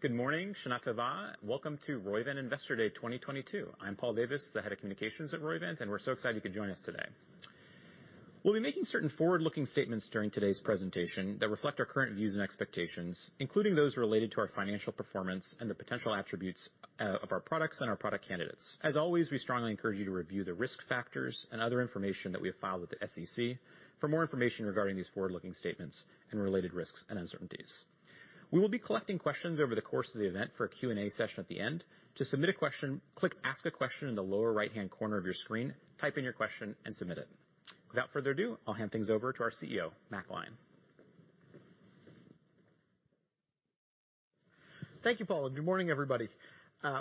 Good morning. Shanah Tovah. Welcome to Roivant Investor Day 2022. I'm Paul Davis, the Head of Communications at Roivant, and we're so excited you could join us today. We'll be making certain forward-looking statements during today's presentation that reflect our current views and expectations, including those related to our financial performance and the potential attributes of our products and our product candidates. As always, we strongly encourage you to review the risk factors and other information that we have filed with the SEC for more information regarding these forward-looking statements and related risks and uncertainties. We will be collecting questions over the course of the event for a Q&A session at the end. To submit a question, click Ask a Question in the lower right-hand corner of your screen, type in your question and submit it. Without further ado, I'll hand things over to our CEO, Matt Gline. Thank you, Paul, and good morning, everybody.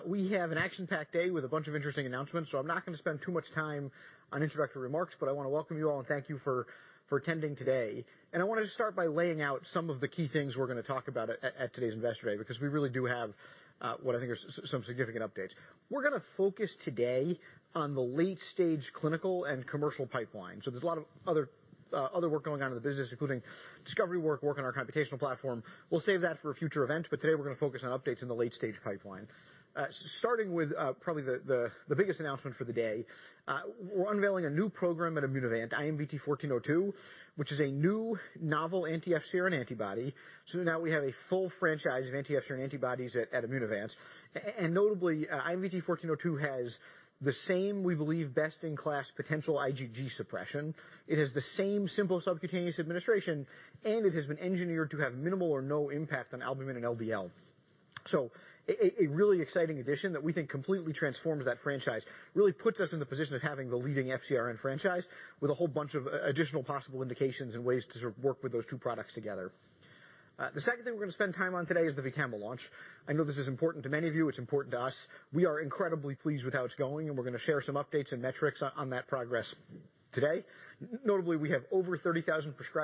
We have an action-packed day with a bunch of interesting announcements, so I'm not gonna spend too much time on introductory remarks, but I wanna welcome you all and thank you for attending today. I wanna just start by laying out some of the key things we're gonna talk about at today's Investor Day, because we really do have what I think are some significant updates. We're gonna focus today on the late-stage clinical and commercial pipeline. There's a lot of other work going on in the business, including discovery work on our computational platform. We'll save that for a future event, but today we're gonna focus on updates in the late-stage pipeline. Starting with probably the biggest announcement for the day, we're unveiling a new program at Immunovant, IMVT-1402, which is a new novel anti-FcRn antibody. Now we have a full franchise of anti-FcRn antibodies at Immunovant. And notably, IMVT-1402 has the same, we believe, best-in-class potential IgG suppression. It has the same simple subcutaneous administration, and it has been engineered to have minimal or no impact on albumin and LDL. A really exciting addition that we think completely transforms that franchise, really puts us in the position of having the leading FcRn franchise with a whole bunch of additional possible indications and ways to sort of work with those two products together. The second thing we're gonna spend time on today is the VTAMA launch. I know this is important to many of you. It's important to us. We are incredibly pleased with how it's going, and we're gonna share some updates and metrics on that progress today. Notably, we have over 30,000 prescriptions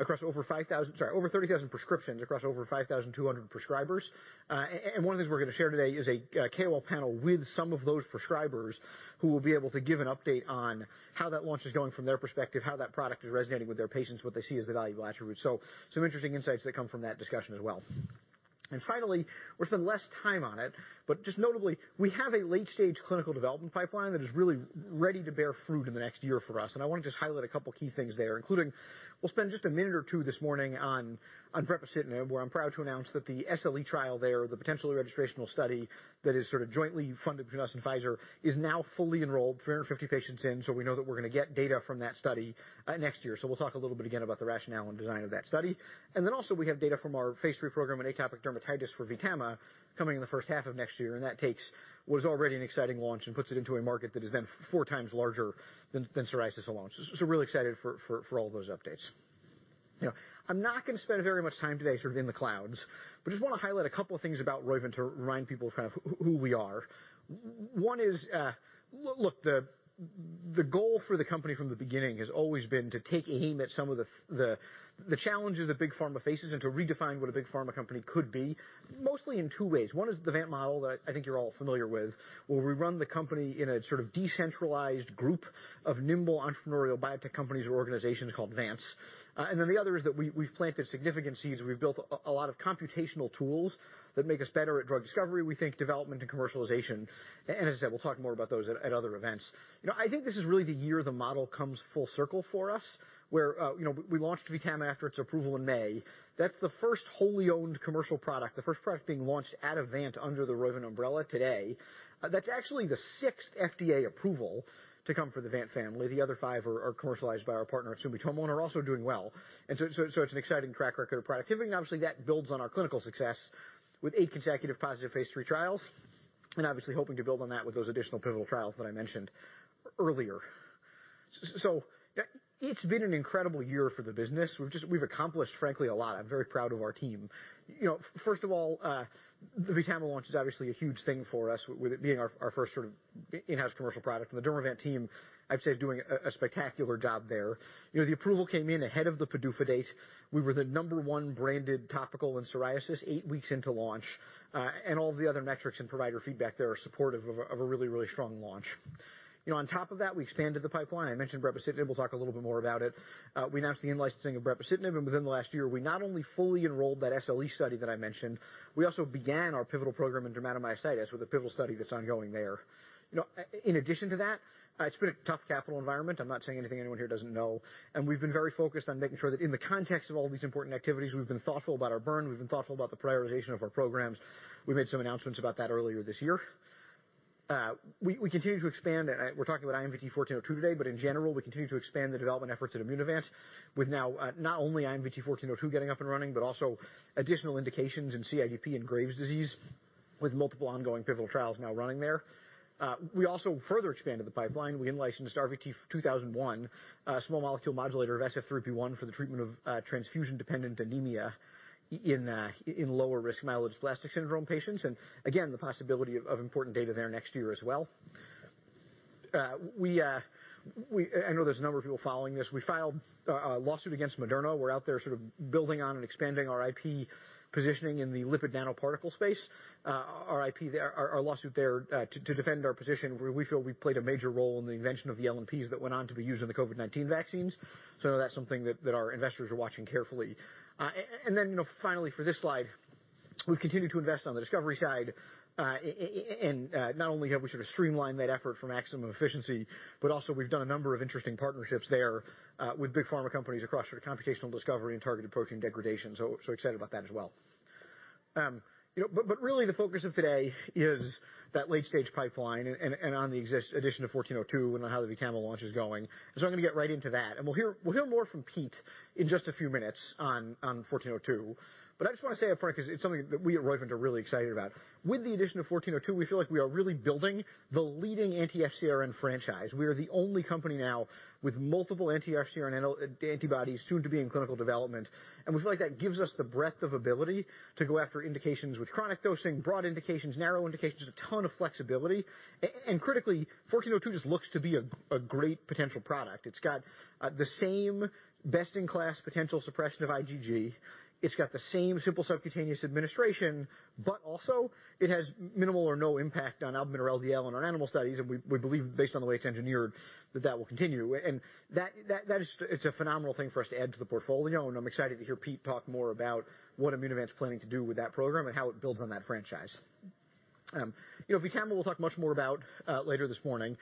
across over 5,200 prescribers. Sorry, and one of the things we're gonna share today is a KOL panel with some of those prescribers who will be able to give an update on how that launch is going from their perspective, how that product is resonating with their patients, what they see as the valuable attribute. Some interesting insights that come from that discussion as well. Finally, we'll spend less time on it, but just notably, we have a late-stage clinical development pipeline that is really ready to bear fruit in the next year for us, and I want to just highlight a couple key things there, including we'll spend just a minute or two this morning on brepocitinib, where I'm proud to announce that the SLE trial there, the potential registrational study that is sort of jointly funded between us and Pfizer, is now fully enrolled, 350 patients in, so we know that we're gonna get data from that study next year. We'll talk a little bit again about the rationale and design of that study. We have data from our phase III program on atopic dermatitis for VTAMA coming in the first half of next year, and that takes what is already an exciting launch and puts it into a market that is then 4x larger than psoriasis alone. Really excited for all those updates. I'm not gonna spend very much time today sort of in the clouds, but just wanna highlight a couple of things about Roivant to remind people kind of who we are. one is, look, the goal for the company from the beginning has always been to take aim at some of the challenges that big pharma faces and to redefine what a big pharma company could be, mostly in two ways. One is the Vant model that I think you're all familiar with, where we run the company in a sort of decentralized group of nimble entrepreneurial biotech companies or organizations called Vants. The other is that we've planted significant seeds. We've built a lot of computational tools that make us better at drug discovery, we think, development and commercialization. As I said, we'll talk more about those at other events. You know, I think this is really the year the model comes full circle for us where we launched VTAMA after its approval in May. That's the first wholly owned commercial product, the first product being launched at a Vant under the Roivant umbrella today. That's actually the sixth FDA approval to come from the Vant family. The other five are commercialized by our partner at Sumitomo and are also doing well. It's an exciting track record of productivity, and obviously that builds on our clinical success with eight consecutive positive phase III trials, and obviously hoping to build on that with those additional pivotal trials that I mentioned earlier. It's been an incredible year for the business. We've accomplished, frankly, a lot. I'm very proud of our team. First of all, the VTAMA launch is obviously a huge thing for us, with it being our first sort of in-house commercial product. The Dermavant team, I'd say, is doing a spectacular job there. The approval came in ahead of the PDUFA date. We were the number one branded topical in psoriasis eight weeks into launch, and all the other metrics and provider feedback there are supportive of a really, really strong launch. You know, on top of that, we expanded the pipeline. I mentioned brepocitinib. We'll talk a little bit more about it. We announced the in-licensing of brepocitinib, and within the last year, we not only fully enrolled that SLE study that I mentioned, we also began our pivotal program in dermatomyositis with a pivotal study that's ongoing there. You know, in addition to that, it's been a tough capital environment. I'm not saying anything anyone here doesn't know. We've been very focused on making sure that in the context of all these important activities, we've been thoughtful about our burn, we've been thoughtful about the prioritization of our programs. We made some announcements about that earlier this year. We continue to expand, and we're talking about IMVT-1402 today, but in general, we continue to expand the development efforts at Immunovant with now not only IMVT-1402 getting up and running, but also additional indications in CIDP and Graves' disease with multiple ongoing pivotal trials now running there. We also further expanded the pipeline. We in-licensed RVT-2001, a small molecule modulator of SF3B1 for the treatment of transfusion-dependent anemia in lower risk myelodysplastic syndrome patients. Again, the possibility of important data there next year as well. We know there's a number of people following this. We filed a lawsuit against Moderna. We're out there sort of building on and expanding our IP positioning in the lipid nanoparticle space. Our IP there. Our lawsuit there to defend our position where we feel we played a major role in the invention of the LNPs that went on to be used in the COVID-19 vaccines. I know that's something that our investors are watching carefully. Then, you know, finally, for this slide, we've continued to invest on the discovery side, and not only have we sort of streamlined that effort for maximum efficiency, but also we've done a number of interesting partnerships there with big pharma companies across sort of computational discovery and targeted protein degradation. Excited about that as well. You know, but really the focus of today is that late-stage pipeline and on the addition of IMVT-1402 and how the VTAMA launch is going. I'm gonna get right into that, and we'll hear more from Pete in just a few minutes on 1402. I just wanna say up front, 'cause it's something that we at Roivant are really excited about. With the addition of 1402, we feel like we are really building the leading anti-FcRn franchise. We are the only company now with multiple anti-FcRn antibodies soon to be in clinical development. We feel like that gives us the breadth of ability to go after indications with chronic dosing, broad indications, narrow indications, a ton of flexibility. Critically, 1402 just looks to be a great potential product. It's got the same best-in-class potential suppression of IgG. It's got the same simple subcutaneous administration, but also it has minimal or no impact on albumin or LDL in our animal studies, and we believe based on the way it's engineered that that will continue. That is. It's a phenomenal thing for us to add to the portfolio, and I'm excited to hear Pete talk more about what Immunovant's planning to do with that program and how it builds on that franchise. You know, VTAMA we'll talk much more about later this morning.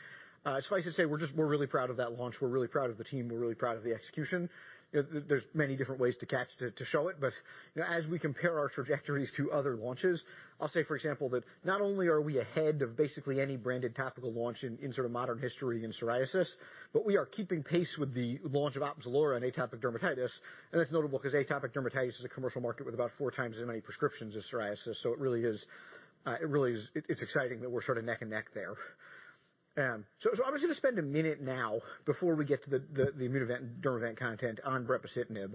Suffice to say we're really proud of that launch. We're really proud of the team. We're really proud of the execution. You know, there's many different ways to show it, but you know, as we compare our trajectories to other launches, I'll say, for example, that not only are we ahead of basically any branded topical launch in sort of modern history in psoriasis, but we are keeping pace with the launch of Opzelura in atopic dermatitis, and that's notable 'cause atopic dermatitis is a commercial market with about four times as many prescriptions as psoriasis. It really is exciting that we're sort of neck and neck there. I'm just gonna spend a minute now before we get to the Immunovant and Dermavant content on brepacitinib,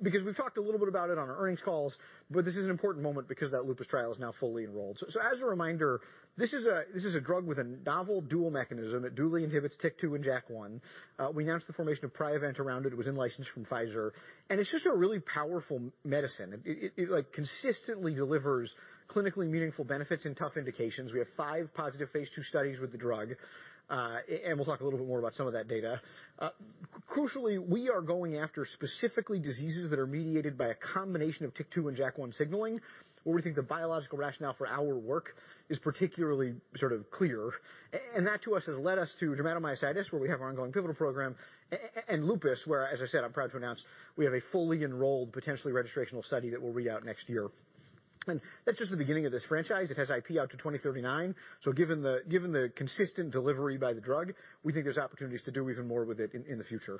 because we've talked a little bit about it on our earnings calls, but this is an important moment because that lupus trial is now fully enrolled. As a reminder, this is a drug with a novel dual mechanism. It dually inhibits TYK2 and JAK1. We announced the formation of Priovant around it. It was in-licensed from Pfizer, and it's just a really powerful medicine. It like consistently delivers clinically meaningful benefits in tough indications. We have five positive phase II studies with the drug, and we'll talk a little bit more about some of that data. Crucially, we are going after specifically diseases that are mediated by a combination of TYK2 and JAK1 signaling, where we think the biological rationale for our work is particularly sort of clear. That to us has led us to dermatomyositis, where we have our ongoing pivotal program, and lupus, where, as I said, I'm proud to announce we have a fully enrolled, potentially registrational study that we'll read out next year. That's just the beginning of this franchise. It has IP out to 2039. Given the consistent delivery by the drug, we think there's opportunities to do even more with it in the future.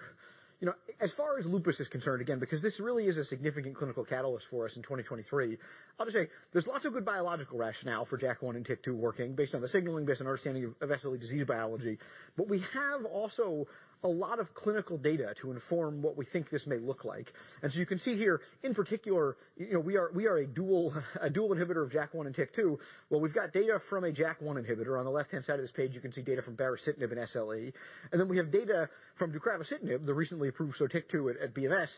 You know, as far as lupus is concerned, again, because this really is a significant clinical catalyst for us in 2023, I'll just say there's lots of good biological rationale for JAK1 and TYK2 working based on the signaling, based on understanding of SLE disease biology. We have also a lot of clinical data to inform what we think this may look like. You can see here, in particular, you know, we are a dual inhibitor of JAK1 and TYK2. Well, we've got data from a JAK1 inhibitor. On the left-hand side of this page, you can see data from baricitinib and SLE. Then we have data from deucravacitinib, the recently approved Sotyktu at BMS,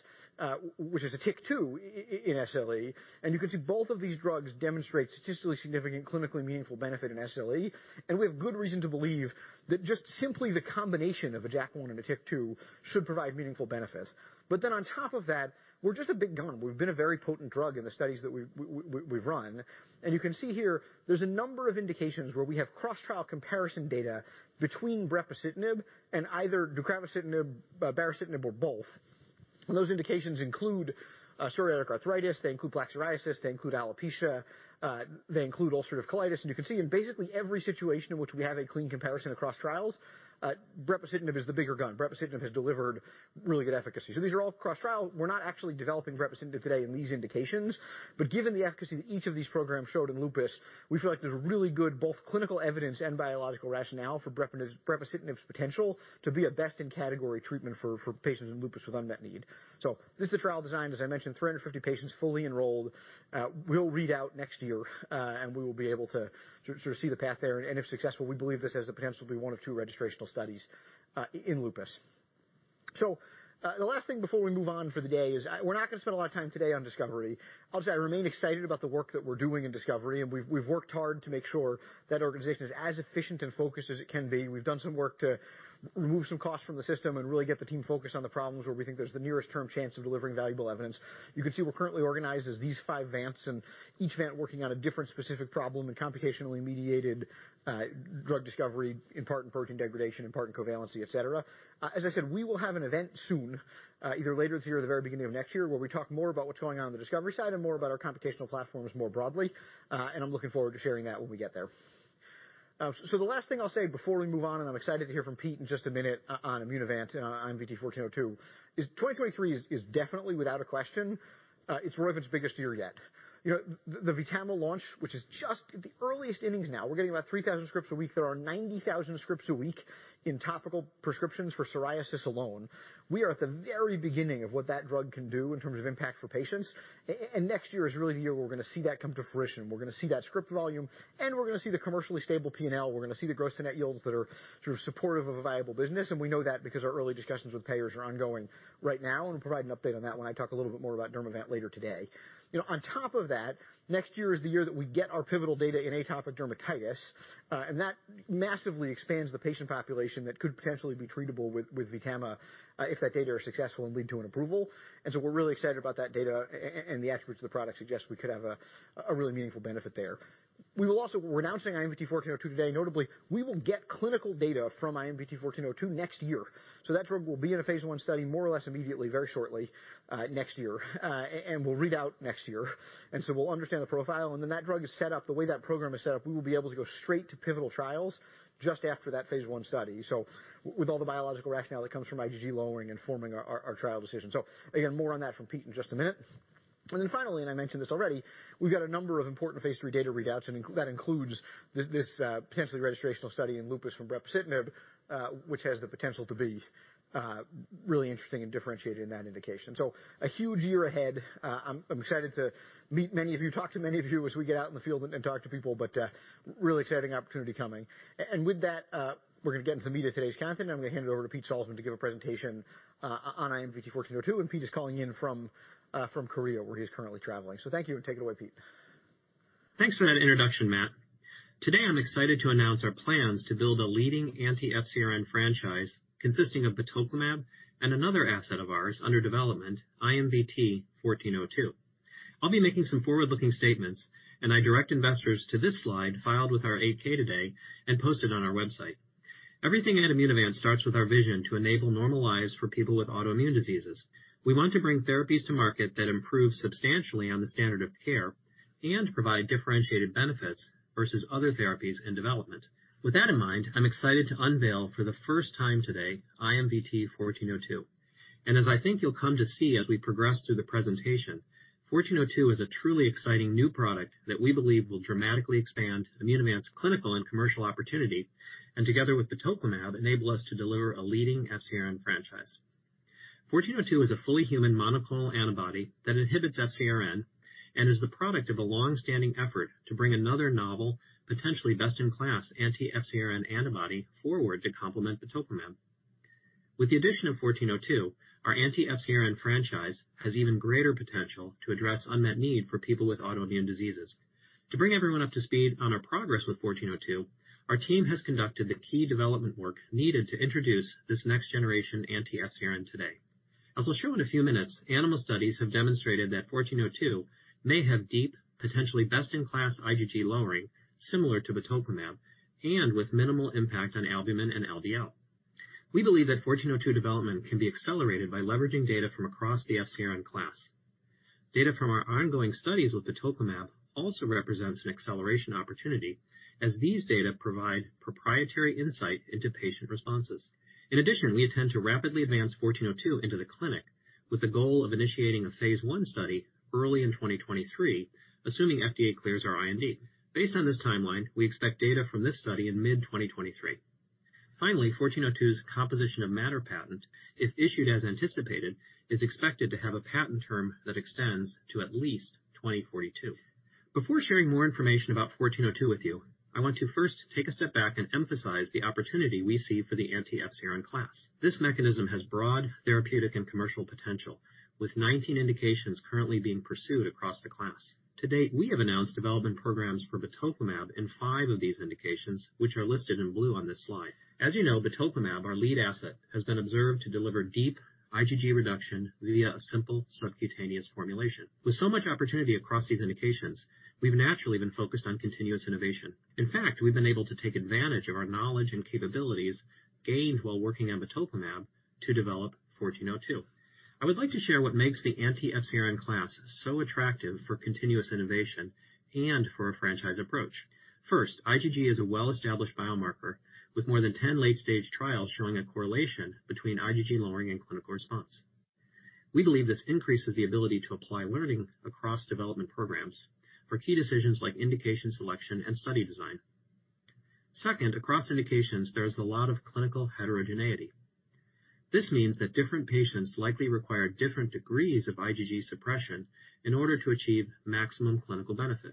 which is a TYK2 in SLE. You can see both of these drugs demonstrate statistically significant, clinically meaningful benefit in SLE, and we have good reason to believe that just simply the combination of a JAK1 and a TYK2 should provide meaningful benefit. Then on top of that, we're just a big gun. We've been a very potent drug in the studies that we've run, and you can see here there's a number of indications where we have cross-trial comparison data between brepocitinib and either ruxolitinib, baricitinib or both. Those indications include psoriatic arthritis. They include plaque psoriasis. They include alopecia. They include ulcerative colitis. You can see in basically every situation in which we have a clean comparison across trials, brepocitinib is the bigger gun. Brepocitinib has delivered really good efficacy. These are all cross-trial. We're not actually developing brepocitinib today in these indications, but given the efficacy that each of these programs showed in lupus, we feel like there's really good both clinical evidence and biological rationale for brepocitinib's potential to be a best-in-category treatment for patients in lupus with unmet need. This is the trial design. As I mentioned, 350 patients fully enrolled. We'll read out next year, and we will be able to sort of see the path there. If successful, we believe this has the potential to be one of two registrational studies in lupus. The last thing before we move on for the day is, we're not gonna spend a lot of time today on discovery. I'll just say I remain excited about the work that we're doing in discovery, and we've worked hard to make sure that organization is as efficient and focused as it can be. We've done some work to remove some costs from the system and really get the team focused on the problems where we think there's the nearest term chance of delivering valuable evidence. You can see we're currently organized as these five Vants, and each Vant working on a different specific problem and computationally mediated drug discovery, in part in protein degradation, in part in covalency, et cetera. As I said, we will have an event soon, either later this year or the very beginning of next year, where we talk more about what's going on in the discovery side and more about our computational platforms more broadly. I'm looking forward to sharing that when we get there. The last thing I'll say before we move on, and I'm excited to hear from Pete in just a minute on Immunovant and on IMVT-1402, is 2023 is definitely without a question, it's Roivant's biggest year yet. You know, the VTAMA launch, which is just the earliest innings now, we're getting about 3,000 scripts a week. There are 90,000 scripts a week in topical prescriptions for psoriasis alone. We are at the very beginning of what that drug can do in terms of impact for patients. And next year is really the year where we're gonna see that come to fruition. We're gonna see that script volume, and we're gonna see the commercially stable P&L. We're gonna see the gross-to-net yields that are sort of supportive of a viable business, and we know that because our early discussions with payers are ongoing right now, and we'll provide an update on that when I talk a little bit more about Dermavant later today. You know, on top of that, next year is the year that we get our pivotal data in atopic dermatitis, and that massively expands the patient population that could potentially be treatable with VTAMA, if that data are successful and lead to an approval. We're really excited about that data, and the attributes of the product suggest we could have a really meaningful benefit there. We're announcing IMVT-1402 today. Notably, we will get clinical data from IMVT-1402 next year. That drug will be in a phase one study more or less immediately, very shortly, next year. And we'll read out next year. We'll understand the profile, and then that drug is set up, the way that program is set up, we will be able to go straight to pivotal trials just after that phase one study. With all the biological rationale that comes from IgG lowering informing our trial decision. Again, more on that from Pete in just a minute. Then finally, I mentioned this already, we've got a number of important phase data readouts, and that includes this potentially registrational study in lupus from brepocitinib, which has the potential to be really interesting and differentiated in that indication. A huge year ahead. I'm excited to meet many of you, talk to many of you as we get out in the field and talk to people, but really exciting opportunity coming. With that, we're gonna get into the meat of today's content. I'm gonna hand it over to Pete Salzmann to give a presentation on IMVT1402. Pete is calling in from Korea, where he's currently traveling. Thank you, and take it away, Pete. Thanks for that introduction, Matt. Today, I'm excited to announce our plans to build a leading anti-FcRn franchise consisting of batoclimab and another asset of ours under development, IMVT1402. I'll be making some forward-looking statements, and I direct investors to this slide filed with our 8-K today and posted on our website. Everything at Immunovant starts with our vision to enable normal lives for people with autoimmune diseases. We want to bring therapies to market that improve substantially on the standard of care and provide differentiated benefits versus other therapies in development. With that in mind, I'm excited to unveil for the first time today IMVT1402. I think you'll come to see as we progress through the presentation, 1402 is a truly exciting new product that we believe will dramatically expand Immunovant's clinical and commercial opportunity, and together with batoclimab, enable us to deliver a leading FcRn franchise. 1402 is a fully human monoclonal antibody that inhibits FcRn and is the product of a long-standing effort to bring another novel, potentially best-in-class anti-FcRn antibody forward to complement batoclimab. With the addition of 1402, our anti-FcRn franchise has even greater potential to address unmet need for people with autoimmune diseases. To bring everyone up to speed on our progress with 1402, our team has conducted the key development work needed to introduce this next generation anti-FcRn today. As I'll show in a few minutes, animal studies have demonstrated that 1402 may have deep, potentially best-in-class IgG lowering similar to batoclimab and with minimal impact on albumin and LDL. We believe that 1402 development can be accelerated by leveraging data from across the FcRn class. Data from our ongoing studies with batoclimab also represents an acceleration opportunity as these data provide proprietary insight into patient responses. In addition, we intend to rapidly advance 1402 into the clinic with the goal of initiating a phase I study early in 2023, assuming FDA clears our IND. Based on this timeline, we expect data from this study in mid-2023. Finally, 1402's composition of matter patent, if issued as anticipated, is expected to have a patent term that extends to at least 2042. Before sharing more information about 1402 with you, I want to first take a step back and emphasize the opportunity we see for the anti-FcRn class. This mechanism has broad therapeutic and commercial potential, with 19 indications currently being pursued across the class. To date, we have announced development programs for batoclimab in 5 of these indications, which are listed in blue on this slide. As you know, batoclimab, our lead asset, has been observed to deliver deep IgG reduction via a simple subcutaneous formulation. With so much opportunity across these indications, we've naturally been focused on continuous innovation. In fact, we've been able to take advantage of our knowledge and capabilities gained while working on batoclimab to develop 1402. I would like to share what makes the anti-FcRn class so attractive for continuous innovation and for a franchise approach. First, IgG is a well-established biomarker with more than 10 late-stage trials showing a correlation between IgG lowering and clinical response. We believe this increases the ability to apply learning across development programs for key decisions like indication selection and study design. Second, across indications, there is a lot of clinical heterogeneity. This means that different patients likely require different degrees of IgG suppression in order to achieve maximum clinical benefit.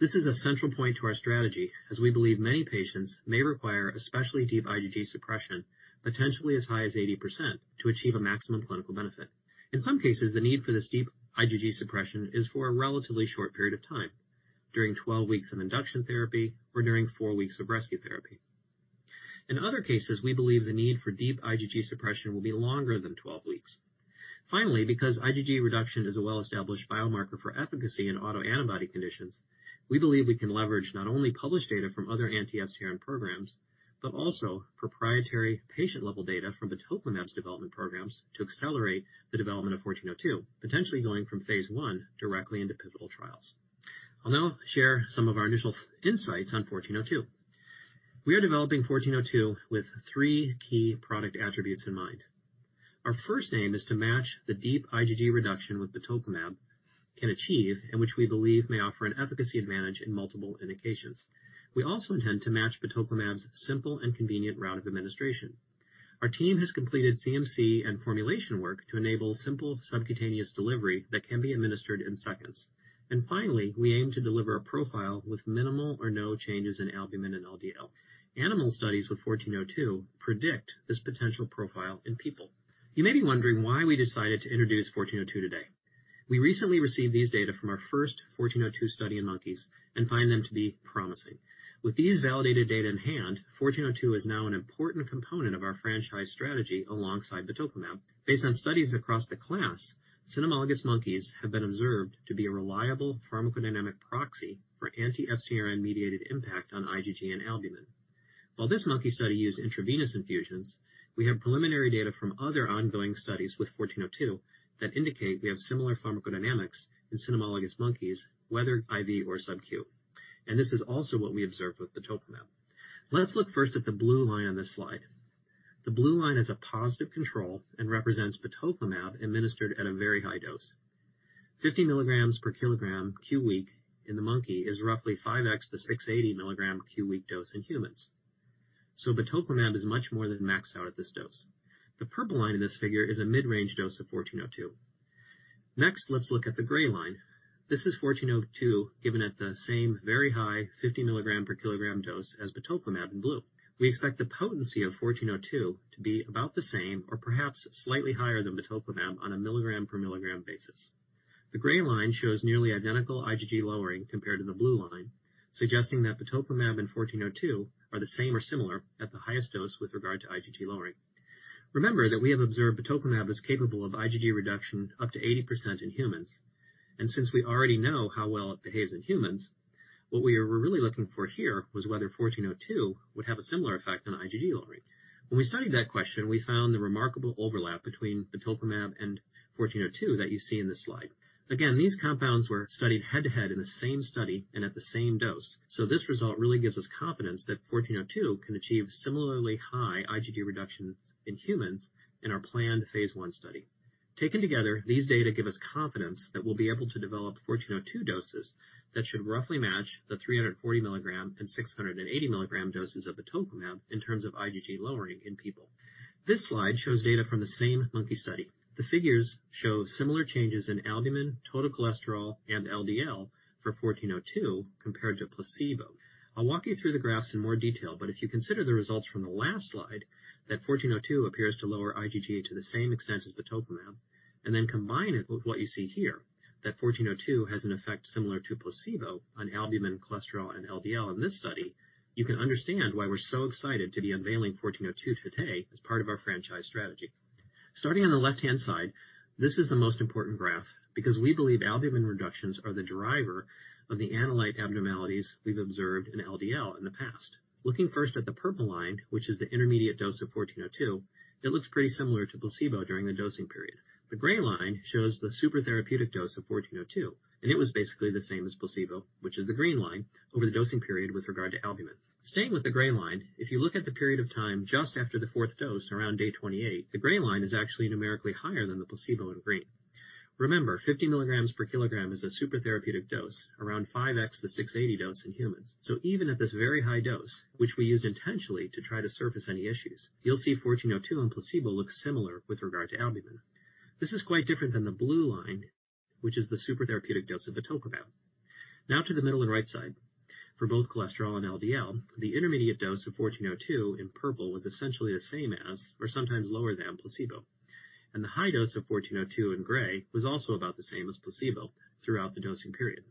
This is a central point to our strategy, as we believe many patients may require especially deep IgG suppression, potentially as high as 80%, to achieve a maximum clinical benefit. In some cases, the need for this deep IgG suppression is for a relatively short period of time, during 12 weeks of induction therapy or during four weeks of rescue therapy. In other cases, we believe the need for deep IgG suppression will be longer than 12 weeks. Finally, because IgG reduction is a well-established biomarker for efficacy in autoantibody conditions, we believe we can leverage not only published data from other anti-FcRn programs, but also proprietary patient-level data from batoclimab's development programs to accelerate the development of 1402, potentially going from phase I directly into pivotal trials. I'll now share some of our initial insights on 1402. We are developing 1402 with three key product attributes in mind. Our first aim is to match the deep IgG reduction with batoclimab can achieve and which we believe may offer an efficacy advantage in multiple indications. We also intend to match batoclimab's simple and convenient route of administration. Our team has completed CMC and formulation work to enable simple subcutaneous delivery that can be administered in seconds. Finally, we aim to deliver a profile with minimal or no changes in albumin and LDL. Animal studies with 1402 predict this potential profile in people. You may be wondering why we decided to introduce 1402 today. We recently received these data from our first 1402 study in monkeys and find them to be promising. With these validated data in hand, 1402 is now an important component of our franchise strategy alongside batoclimab. Based on studies across the class, cynomolgus monkeys have been observed to be a reliable pharmacodynamic proxy for anti-FCRN-mediated impact on IgG and albumin. While this monkey study used intravenous infusions, we have preliminary data from other ongoing studies with 1402 that indicate we have similar pharmacodynamics in cynomolgus monkeys, whether IV or subQ. This is also what we observed with batoclimab. Let's look first at the blue line on this slide. The blue line is a positive control and represents batoclimab administered at a very high dose. 50 milligrams per kilogram q-week in the monkey is roughly 5x the 680 milligram q-week dose in humans. Batoclimab is much more than maxed out at this dose. The purple line in this figure is a mid-range dose of IMVT-1402. Next, let's look at the gray line. This is IMVT-1402, given at the same very high 50 milligram per kilogram dose as batoclimab in blue. We expect the potency of IMVT-1402 to be about the same or perhaps slightly higher than batoclimab on a milligram per milligram basis. The gray line shows nearly identical IgG lowering compared to the blue line, suggesting that batoclimab and IMVT-1402 are the same or similar at the highest dose with regard to IgG lowering. Remember that we have observed batoclimab is capable of IgG reduction up to 80% in humans, and since we already know how well it behaves in humans, what we were really looking for here was whether IMVT-1402 would have a similar effect on IgG lowering. When we studied that question, we found the remarkable overlap between batoclimab and IMVT-1402 that you see in this slide. Again, these compounds were studied head to head in the same study and at the same dose. This result really gives us confidence that IMVT-1402 can achieve similarly high IgG reductions in humans in our planned phase I study. Taken together, these data give us confidence that we'll be able to develop 1402 doses that should roughly match the 340 milligram and 680 milligram doses of batoclimab in terms of IgG lowering in people. This slide shows data from the same monkey study. The figures show similar changes in albumin, total cholesterol, and LDL for 1402 compared to placebo. I'll walk you through the graphs in more detail, but if you consider the results from the last slide that 1402 appears to lower IgG to the same extent as batoclimab, and then combine it with what you see here, that 1402 has an effect similar to placebo on albumin, cholesterol, and LDL in this study, you can understand why we're so excited to be unveiling 1402 today as part of our franchise strategy. Starting on the left-hand side, this is the most important graph because we believe albumin reductions are the driver of the analyte abnormalities we've observed in LDL in the past. Looking first at the purple line, which is the intermediate dose of 1402, it looks pretty similar to placebo during the dosing period. The gray line shows the super therapeutic dose of 1402, and it was basically the same as placebo, which is the green line over the dosing period with regard to albumin. Staying with the gray line, if you look at the period of time just after the fourth dose around day 28, the gray line is actually numerically higher than the placebo in green. Remember, 50 milligrams per kilogram is a super therapeutic dose around 5x the 680 dose in humans. Even at this very high dose, which we used intentionally to try to surface any issues, you'll see IMVT-1402 in placebo looks similar with regard to albumin. This is quite different than the blue line, which is the super therapeutic dose of batoclimab. Now to the middle and right side. For both cholesterol and LDL, the intermediate dose of IMVT-1402 in purple was essentially the same as or sometimes lower than placebo. The high dose of IMVT-1402 in gray was also about the same as placebo throughout the dosing period.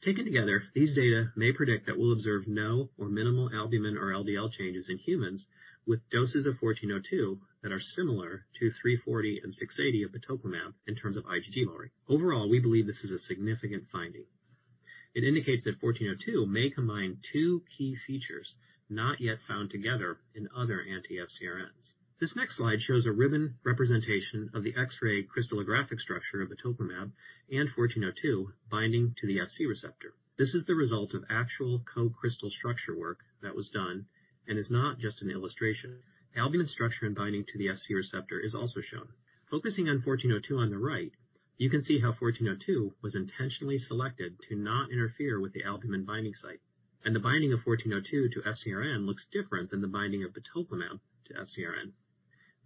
Taken together, these data may predict that we'll observe no or minimal albumin or LDL changes in humans with doses of IMVT-1402 that are similar to 340 and 680 of batoclimab in terms of IgG lowering. Overall, we believe this is a significant finding. It indicates that 1402 may combine two key features not yet found together in other anti-FcRNs. This next slide shows a ribbon representation of the X-ray crystallographic structure of batoclimab and 1402 binding to the Fc receptor. This is the result of actual co-crystal structure work that was done and is not just an illustration. Albumin structure and binding to the Fc receptor is also shown. Focusing on 1402 on the right, you can see how 1402 was intentionally selected to not interfere with the albumin binding site. The binding of 1402 to FcRn looks different than the binding of batoclimab to FcRn.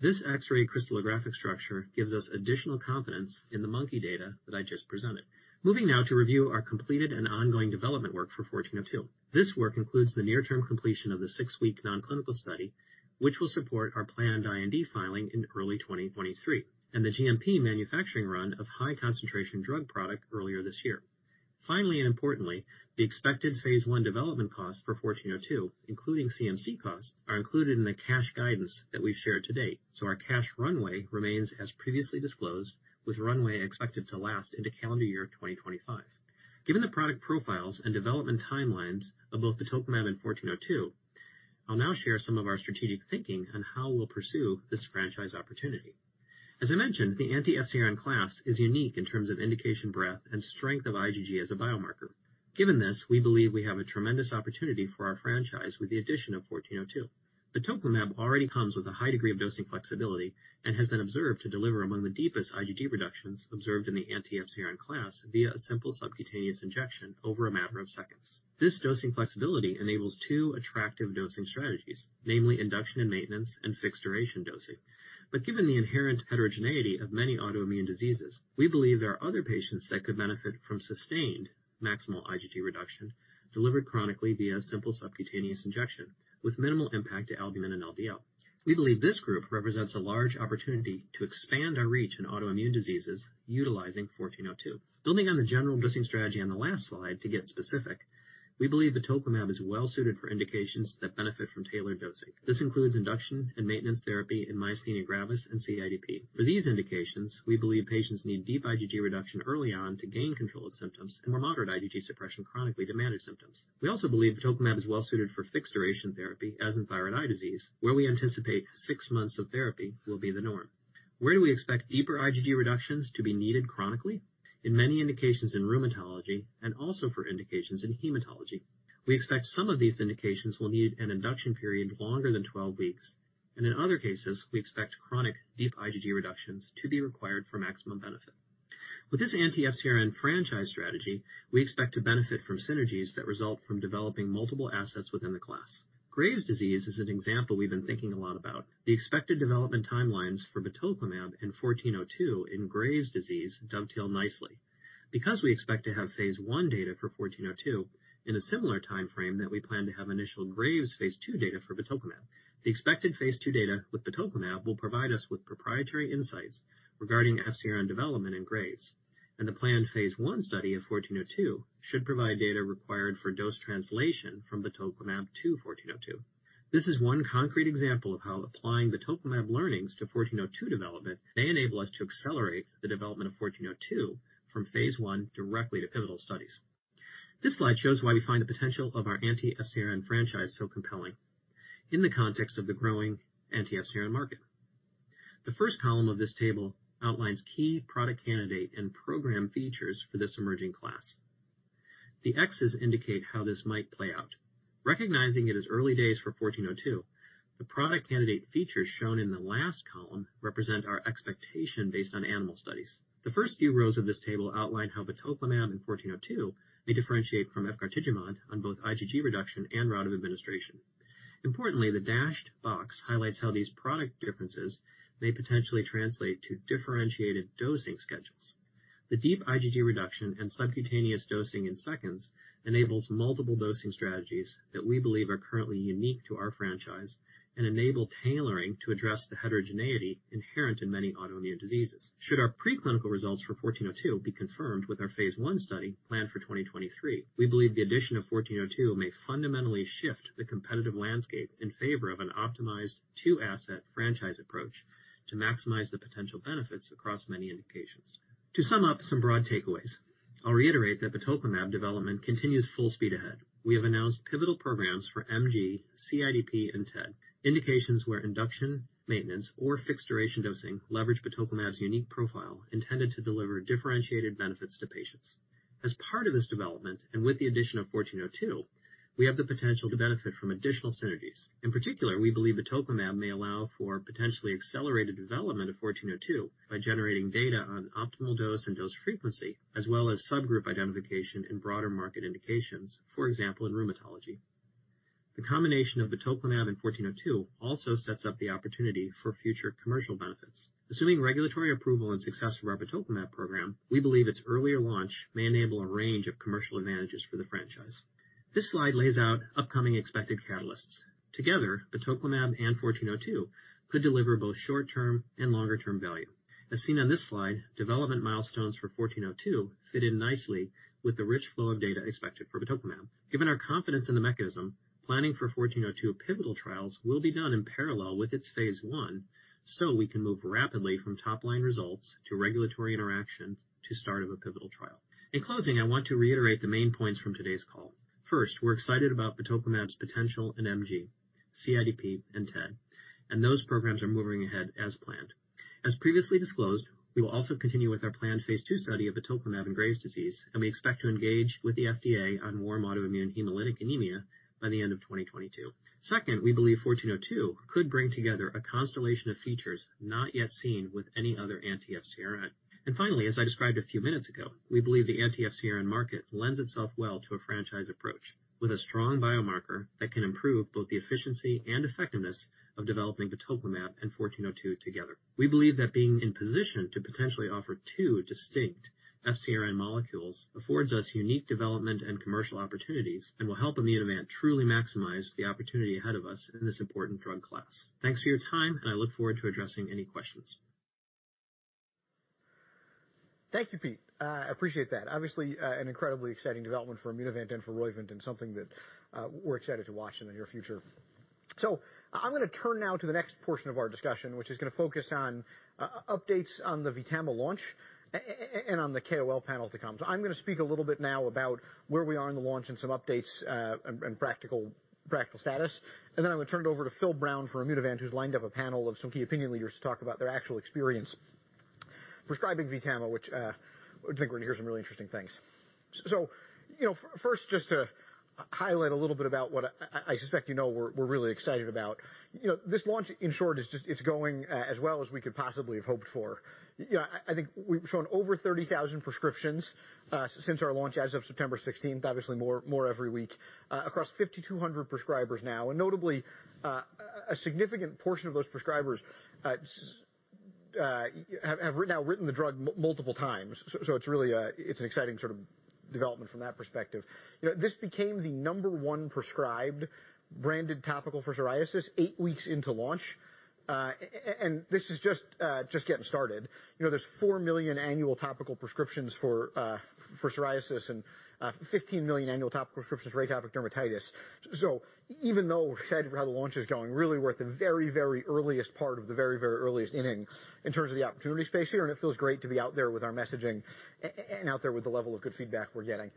This X-ray crystallographic structure gives us additional confidence in the monkey data that I just presented. Moving now to review our completed and ongoing development work for 1402. This work includes the near-term completion of the six week non-clinical study, which will support our planned IND filing in early 2023, and the GMP manufacturing run of high concentration drug product earlier this year. Finally, and importantly, the expected phase I development costs for 1402, including CMC costs, are included in the cash guidance that we've shared to date. Our cash runway remains as previously disclosed, with runway expected to last into calendar year of 2025. Given the product profiles and development timelines of both batoclimab and 1402, I'll now share some of our strategic thinking on how we'll pursue this franchise opportunity. As I mentioned, the anti-FCRN class is unique in terms of indication breadth and strength of IgG as a biomarker. Given this, we believe we have a tremendous opportunity for our franchise with the addition of 1402. Batoclimab already comes with a high degree of dosing flexibility and has been observed to deliver among the deepest IgG reductions observed in the anti-FcRn class via a simple subcutaneous injection over a matter of seconds. This dosing flexibility enables two attractive dosing strategies, namely induction and maintenance and fixed duration dosing. Given the inherent heterogeneity of many autoimmune diseases, we believe there are other patients that could benefit from sustained maximal IgG reduction delivered chronically via simple subcutaneous injection with minimal impact to albumin and LDL. We believe this group represents a large opportunity to expand our reach in autoimmune diseases utilizing IMVT-1402. Building on the general dosing strategy on the last slide to get specific, we believe batoclimab is well suited for indications that benefit from tailored dosing. This includes induction and maintenance therapy in myasthenia gravis and CIDP. For these indications, we believe patients need deep IgG reduction early on to gain control of symptoms and more moderate IgG suppression chronically to manage symptoms. We also believe batoclimab is well suited for fixed duration therapy as in thyroid eye disease, where we anticipate 6 months of therapy will be the norm. Where do we expect deeper IgG reductions to be needed chronically? In many indications in rheumatology and also for indications in hematology. We expect some of these indications will need an induction period longer than 12 weeks, and in other cases, we expect chronic deep IgG reductions to be required for maximum benefit. With this anti-FcRn franchise strategy, we expect to benefit from synergies that result from developing multiple assets within the class. Graves' disease is an example we've been thinking a lot about. The expected development timelines for batoclimab and 1402 in Graves' disease dovetail nicely. Because we expect to have phase I data for 1402 in a similar timeframe that we plan to have initial Graves' phase II data for batoclimab. The expected phase II data with batoclimab will provide us with proprietary insights regarding FcRn development in Graves'. The planned phase I study of 1402 should provide data required for dose translation from batoclimab to 1402. This is one concrete example of how applying batoclimab learnings to 1402 development may enable us to accelerate the development of 1402 from phase I directly to pivotal studies. This slide shows why we find the potential of our anti-FcRn franchise so compelling in the context of the growing anti-FcRn market. The first column of this table outlines key product candidate and program features for this emerging class. The X's indicate how this might play out. Recognizing it is early days for IMVT-1402, the product candidate features shown in the last column represent our expectation based on animal studies. The first few rows of this table outline how batoclimab and IMVT-1402 may differentiate from efgartigimod on both IgG reduction and route of administration. Importantly, the dashed box highlights how these product differences may potentially translate to differentiated dosing schedules. The deep IgG reduction and subcutaneous dosing in seconds enables multiple dosing strategies that we believe are currently unique to our franchise and enable tailoring to address the heterogeneity inherent in many autoimmune diseases. Should our preclinical results for IMVT-1402 be confirmed with our phase I study planned for 2023, we believe the addition of IMVT-1402 may fundamentally shift the competitive landscape in favor of an optimized two-asset franchise approach to maximize the potential benefits across many indications. To sum up some broad takeaways, I'll reiterate that batoclimab development continues full speed ahead. We have announced pivotal programs for MG, CIDP, and TED, indications where induction, maintenance, or fixed duration dosing leverage batoclimab's unique profile intended to deliver differentiated benefits to patients. As part of this development, and with the addition of 1402, we have the potential to benefit from additional synergies. In particular, we believe batoclimab may allow for potentially accelerated development of 1402 by generating data on optimal dose and dose frequency, as well as subgroup identification in broader market indications. For example, in rheumatology. The combination of batoclimab and 1402 also sets up the opportunity for future commercial benefits. Assuming regulatory approval and success of our batoclimab program, we believe its earlier launch may enable a range of commercial advantages for the franchise. This slide lays out upcoming expected catalysts. Together, batoclimab and IMVT-1402 could deliver both short-term and longer-term value. As seen on this slide, development milestones for IMVT-1402 fit in nicely with the rich flow of data expected for batoclimab. Given our confidence in the mechanism, planning for IMVT-1402 pivotal trials will be done in parallel with its phase I, so we can move rapidly from top-line results to regulatory interactions to start of a pivotal trial. In closing, I want to reiterate the main points from today's call. First, we're excited about batoclimab's potential in MG, CIDP, and TED, and those programs are moving ahead as planned. As previously disclosed, we will also continue with our planned phase II study of batoclimab in Graves' disease, and we expect to engage with the FDA on warm autoimmune hemolytic anemia by the end of 2022. Second, we believe 1402 could bring together a constellation of features not yet seen with any other anti-FcRn. Finally, as I described a few minutes ago, we believe the anti-FcRn market lends itself well to a franchise approach with a strong biomarker that can improve both the efficiency and effectiveness of developing batoclimab and 1402 together. We believe that being in position to potentially offer two distinct FcRn molecules affords us unique development and commercial opportunities and will help Immunovant truly maximize the opportunity ahead of us in this important drug class. Thanks for your time, and I look forward to addressing any questions. Thank you, Pete. I appreciate that. Obviously, an incredibly exciting development for Immunovant and for Roivant, and something that we're excited to watch in the near future. I'm gonna turn now to the next portion of our discussion, which is gonna focus on updates on the VTAMA launch and on the KOL panel to come. I'm gonna speak a little bit now about where we are in the launch and some updates, and practical status. Then I'm gonna turn it over to Phil Brown from Dermavant, who's lined up a panel of some key opinion leaders to talk about their actual experience prescribing VTAMA, which I think we're gonna hear some really interesting things. You know, first, just to highlight a little bit about what I suspect you know we're really excited about. You know, this launch, in short, is just it's going as well as we could possibly have hoped for. You know, I think we've shown over 30,000 prescriptions since our launch as of September sixteenth, obviously more every week across 5,200 prescribers now. Notably, a significant portion of those prescribers have now written the drug multiple times. It's really an exciting sort of development from that perspective. You know, this became the number one prescribed branded topical for psoriasis eight weeks into launch. This is just getting started. You know, there's 4 million annual topical prescriptions for psoriasis and 15 million annual topical prescriptions for atopic dermatitis. Even though we're excited for how the launch is going, really, we're at the very, very earliest part of the very, very earliest innings in terms of the opportunity space here, and it feels great to be out there with our messaging and out there with the level of good feedback we're getting.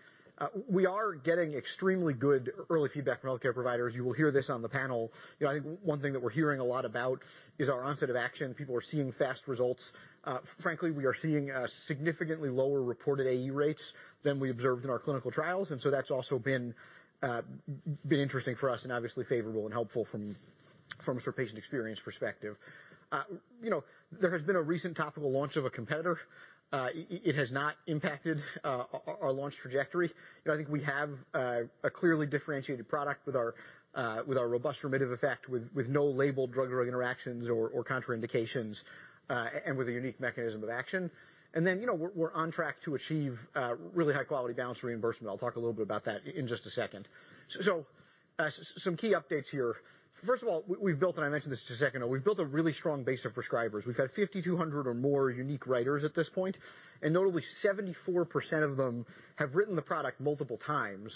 We are getting extremely good early feedback from healthcare providers. You will hear this on the panel. You know, I think one thing that we're hearing a lot about is our onset of action. People are seeing fast results. Frankly, we are seeing a significantly lower reported AE rates than we observed in our clinical trials, and so that's also been interesting for us and obviously favorable and helpful from a patient experience perspective. You know, there has been a recent topical launch of a competitor. It has not impacted our launch trajectory. You know, I think we have a clearly differentiated product with our robust remittive effect, with no labeled drug-drug interactions or contraindications, and with a unique mechanism of action. You know, we're on track to achieve really high quality balanced reimbursement. I'll talk a little bit about that in just a second. Some key updates here. First of all, and I mentioned this a second ago, we've built a really strong base of prescribers. We've had 5,200 or more unique writers at this point, and notably 74% of them have written the product multiple times,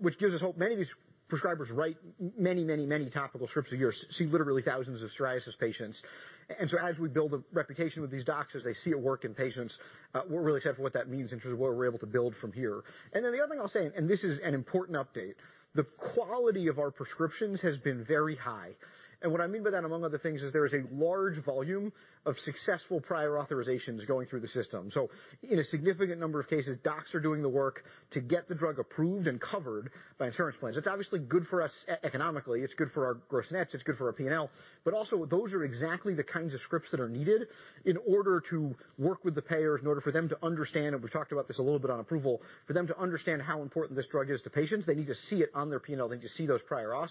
which gives us hope. Many of these prescribers write many topical scripts a year, see literally thousands of psoriasis patients. As we build a reputation with these doctors, they see it work in patients, we're really excited for what that means in terms of what we're able to build from here. The other thing I'll say, and this is an important update, the quality of our prescriptions has been very high. What I mean by that, among other things, is there is a large volume of successful prior authorizations going through the system. In a significant number of cases, docs are doing the work to get the drug approved and covered by insurance plans. That's obviously good for us economically. It's good for our gross-to-net, it's good for our P&L. Also, those are exactly the kinds of scripts that are needed in order to work with the payers, in order for them to understand, and we talked about this a little bit on approval, for them to understand how important this drug is to patients. They need to see it on their P&L. They need to see those prior auths.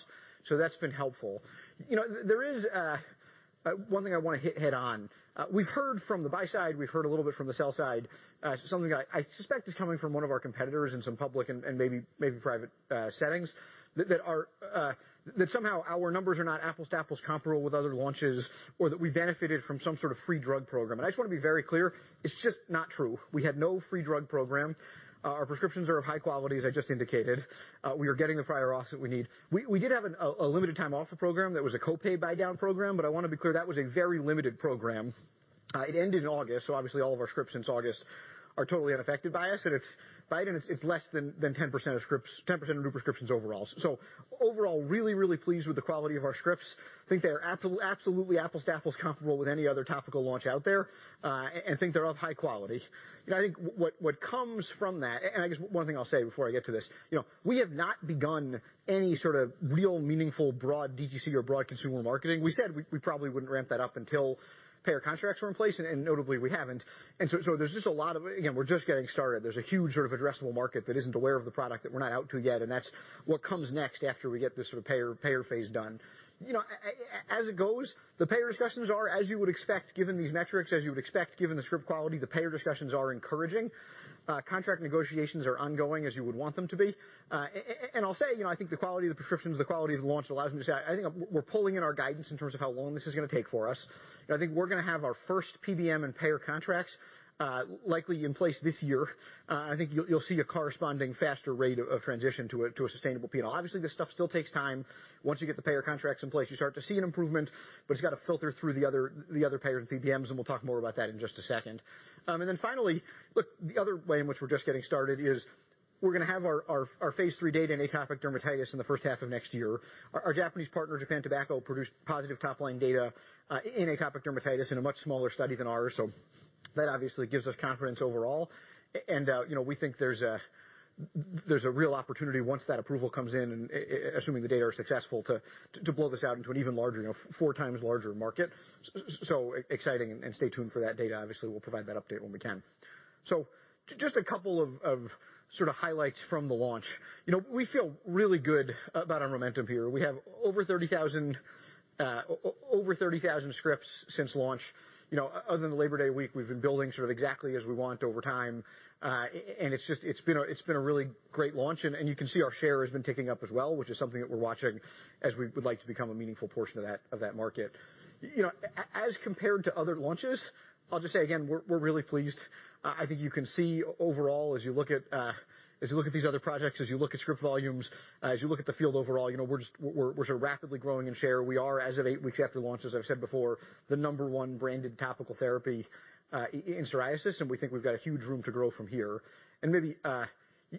That's been helpful. You know, there is one thing I wanna hit on. We've heard from the buy side, we've heard a little bit from the sell side, something that I suspect is coming from one of our competitors in some public and maybe private settings, that somehow our numbers are not apples to apples comparable with other launches or that we benefited from some sort of free drug program. I just wanna be very clear, it's just not true. We had no free drug program. Our prescriptions are of high quality, as I just indicated. We are getting the prior auths that we need. We did have a limited time offer program that was a co-pay buydown program, but I wanna be clear, that was a very limited program. It ended in August, so obviously all of our scripts since August are totally unaffected by it, and it's less than 10% of new prescriptions overall. Overall, really pleased with the quality of our scripts. Think they are absolutely apples to apples comparable with any other topical launch out there, and think they're of high quality. You know, I think what comes from that, and I guess one thing I'll say before I get to this, you know, we have not begun any sort of real meaningful broad DTC or broad consumer marketing. We said we probably wouldn't ramp that up until payer contracts were in place, and notably, we haven't. There's just a lot of. Again, we're just getting started. There's a huge sort of addressable market that isn't aware of the product that we're not out to yet, and that's what comes next after we get this sort of payer phase done. You know, as it goes, the payer discussions are as you would expect, given these metrics, as you would expect, given the script quality, the payer discussions are encouraging. Contract negotiations are ongoing as you would want them to be. I'll say, you know, I think the quality of the prescriptions, the quality of the launch allows me to say I think we're pulling in our guidance in terms of how long this is gonna take for us. I think we're gonna have our first PBM and payer contracts likely in place this year. I think you'll see a corresponding faster rate of transition to a sustainable P&L. Obviously, this stuff still takes time. Once you get the payer contracts in place, you start to see an improvement, but it's got to filter through the other payers and PBMs, and we'll talk more about that in just a second. Finally, look, the other way in which we're just getting started is we're gonna have our phase III data in atopic dermatitis in the first half of next year. Our Japanese partner, Japan Tobacco, produced positive top-line data in atopic dermatitis in a much smaller study than ours. That obviously gives us confidence overall. You know, we think there's a real opportunity once that approval comes in, and assuming the data are successful, to blow this out into an even larger, you know, four times larger market. Exciting and stay tuned for that data. Obviously, we'll provide that update when we can. Just a couple of sort of highlights from the launch. You know, we feel really good about our momentum here. We have over 30,000 scripts since launch. You know, other than Labor Day week, we've been building sort of exactly as we want over time. It's just, it's been a really great launch. You can see our share has been ticking up as well, which is something that we're watching as we would like to become a meaningful portion of that market. You know, as compared to other launches, I'll just say again, we're really pleased. I think you can see overall, as you look at, as you look at these other projects, as you look at script volumes, as you look at the field overall, you know, we're just, we're sort of rapidly growing in share. We are, as of 8 weeks after launch, as I've said before, the number one branded topical therapy in psoriasis, and we think we've got a huge room to grow from here. Maybe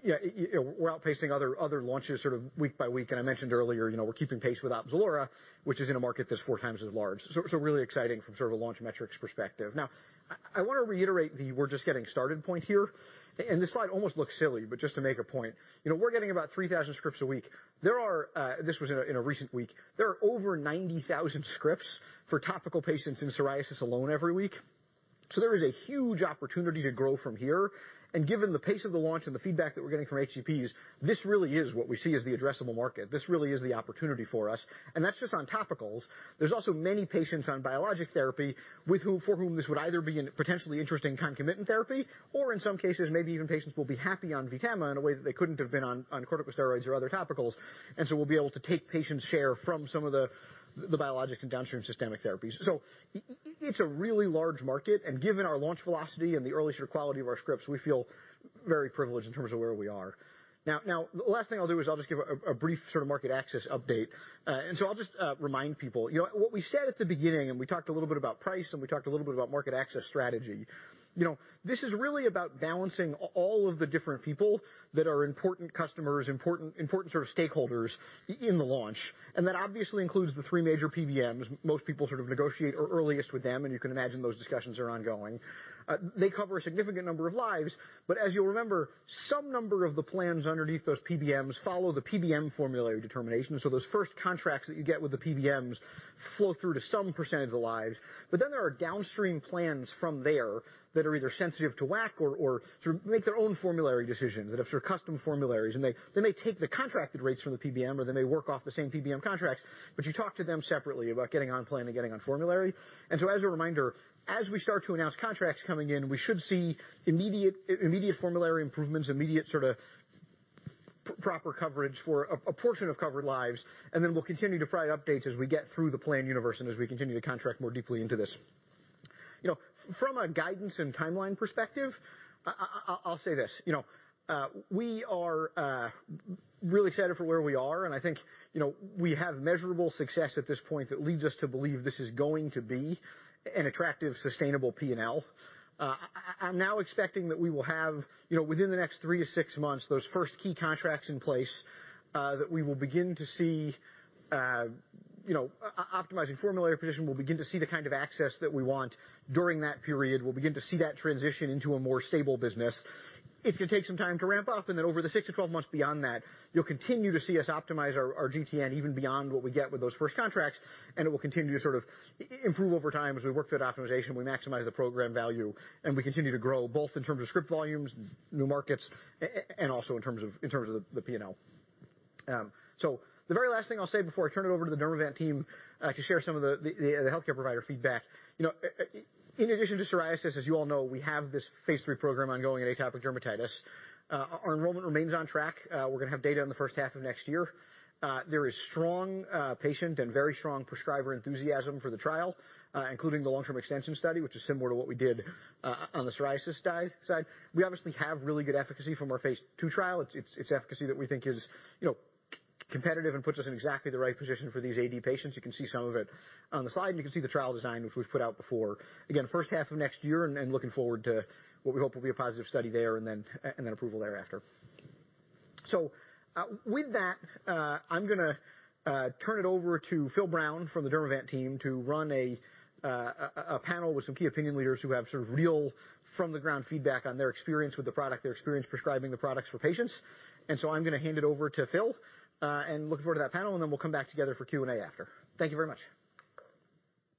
you know, we're outpacing other launches sort of week by week. I mentioned earlier, you know, we're keeping pace with Opzelura, which is in a market that's 4x as large. Really exciting from sort of a launch metrics perspective. Now, I want to reiterate the we're just getting started point here. This slide almost looks silly, but just to make a point. You know, we're getting about 3,000 scripts a week. There are. This was in a recent week. There are over 90,000 scripts for topical patients in psoriasis alone every week. There is a huge opportunity to grow from here. Given the pace of the launch and the feedback that we're getting from HCPs, this really is what we see as the addressable market. This really is the opportunity for us, and that's just on topicals. There's also many patients on biologic therapy for whom this would either be a potentially interesting concomitant therapy, or in some cases, maybe even patients will be happy on VTAMA in a way that they couldn't have been on corticosteroids or other topicals. We'll be able to take patients' share from some of the biologics and downstream systemic therapies. It's a really large market, and given our launch velocity and the early sort of quality of our scripts, we feel very privileged in terms of where we are. Now, the last thing I'll do is I'll just give a brief sort of market access update. I'll just remind people, you know, what we said at the beginning, and we talked a little bit about price, and we talked a little bit about market access strategy. You know, this is really about balancing all of the different people that are important customers, important sort of stakeholders in the launch. That obviously includes the three major PBMs. Most people sort of negotiate earliest with them, and you can imagine those discussions are ongoing. They cover a significant number of lives, but as you'll remember, some number of the plans underneath those PBMs follow the PBM formulary determination. Those first contracts that you get with the PBMs flow through to some percentage of the lives. There are downstream plans from there that are either sensitive to WAC or sort of make their own formulary decisions that have sort of custom formularies. They may take the contracted rates from the PBM, or they may work off the same PBM contracts, but you talk to them separately about getting on plan and getting on formulary. As a reminder, as we start to announce contracts coming in, we should see immediate formulary improvements, immediate sort of proper coverage for a portion of covered lives. We'll continue to provide updates as we get through the plan universe and as we continue to contract more deeply into this. You know, from a guidance and timeline perspective, I'll say this, you know, we are really excited for where we are, and I think, you know, we have measurable success at this point that leads us to believe this is going to be an attractive, sustainable P&L. I'm now expecting that we will have, you know, within the next 3-6 months, those first key contracts in place, that we will begin to see, you know, optimizing formulary position. We'll begin to see the kind of access that we want during that period. We'll begin to see that transition into a more stable business. It's gonna take some time to ramp up, and then over the 6-12 months beyond that, you'll continue to see us optimize our GTN even beyond what we get with those first contracts, and it will continue to sort of improve over time as we work through that optimization, we maximize the program value, and we continue to grow both in terms of script volumes, new markets, and also in terms of the P&L. The very last thing I'll say before I turn it over to the Dermavant team to share some of the healthcare provider feedback. You know, in addition to psoriasis, as you all know, we have this phase III program ongoing at atopic dermatitis. Our enrollment remains on track. We're gonna have data in the first half of next year. There is strong patient and very strong prescriber enthusiasm for the trial, including the long-term extension study, which is similar to what we did on the psoriasis side. We obviously have really good efficacy from our phase II trial. It's efficacy that we think is, you know, competitive and puts us in exactly the right position for these AD patients. You can see some of it on the slide, and you can see the trial design, which we've put out before. Again, first half of next year and looking forward to what we hope will be a positive study there and then approval thereafter. With that, I'm gonna turn it over to Phil Brown from the Dermavant team to run a panel with some key opinion leaders who have sort of real from the ground feedback on their experience with the product, their experience prescribing the products for patients. I'm gonna hand it over to Phil, and look forward to that panel, and then we'll come back together for Q&A after. Thank you very much.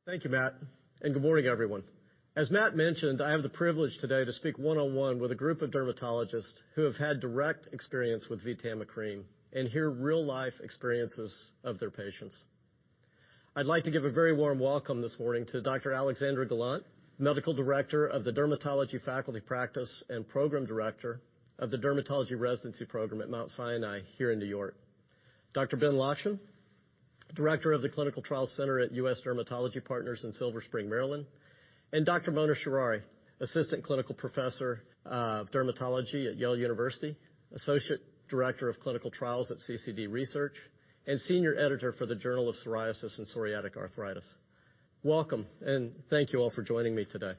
Thank you, Matt, and good morning, everyone. As Matt mentioned, I have the privilege today to speak one-on-one with a group of dermatologists who have had direct experience with VTAMA cream and hear real-life experiences of their patients. I'd like to give a very warm welcome this morning to Dr. Alexandra Golant, Medical Director of the Dermatology Faculty Practice and Program Director of the Dermatology Residency Program at Mount Sinai here in New York. Dr. Ben Lockshin, Director of the Clinical Trials Center at U.S. Dermatology Partners in Silver Spring, Maryland. And Dr. Mona Sadeghpour, Assistant Clinical Professor of Dermatology at Yale University, Associate Director of Clinical Trials at Central Connecticut Dermatology, and Senior Editor for the Journal of Psoriasis and Psoriatic Arthritis. Welcome, and thank you all for joining me today.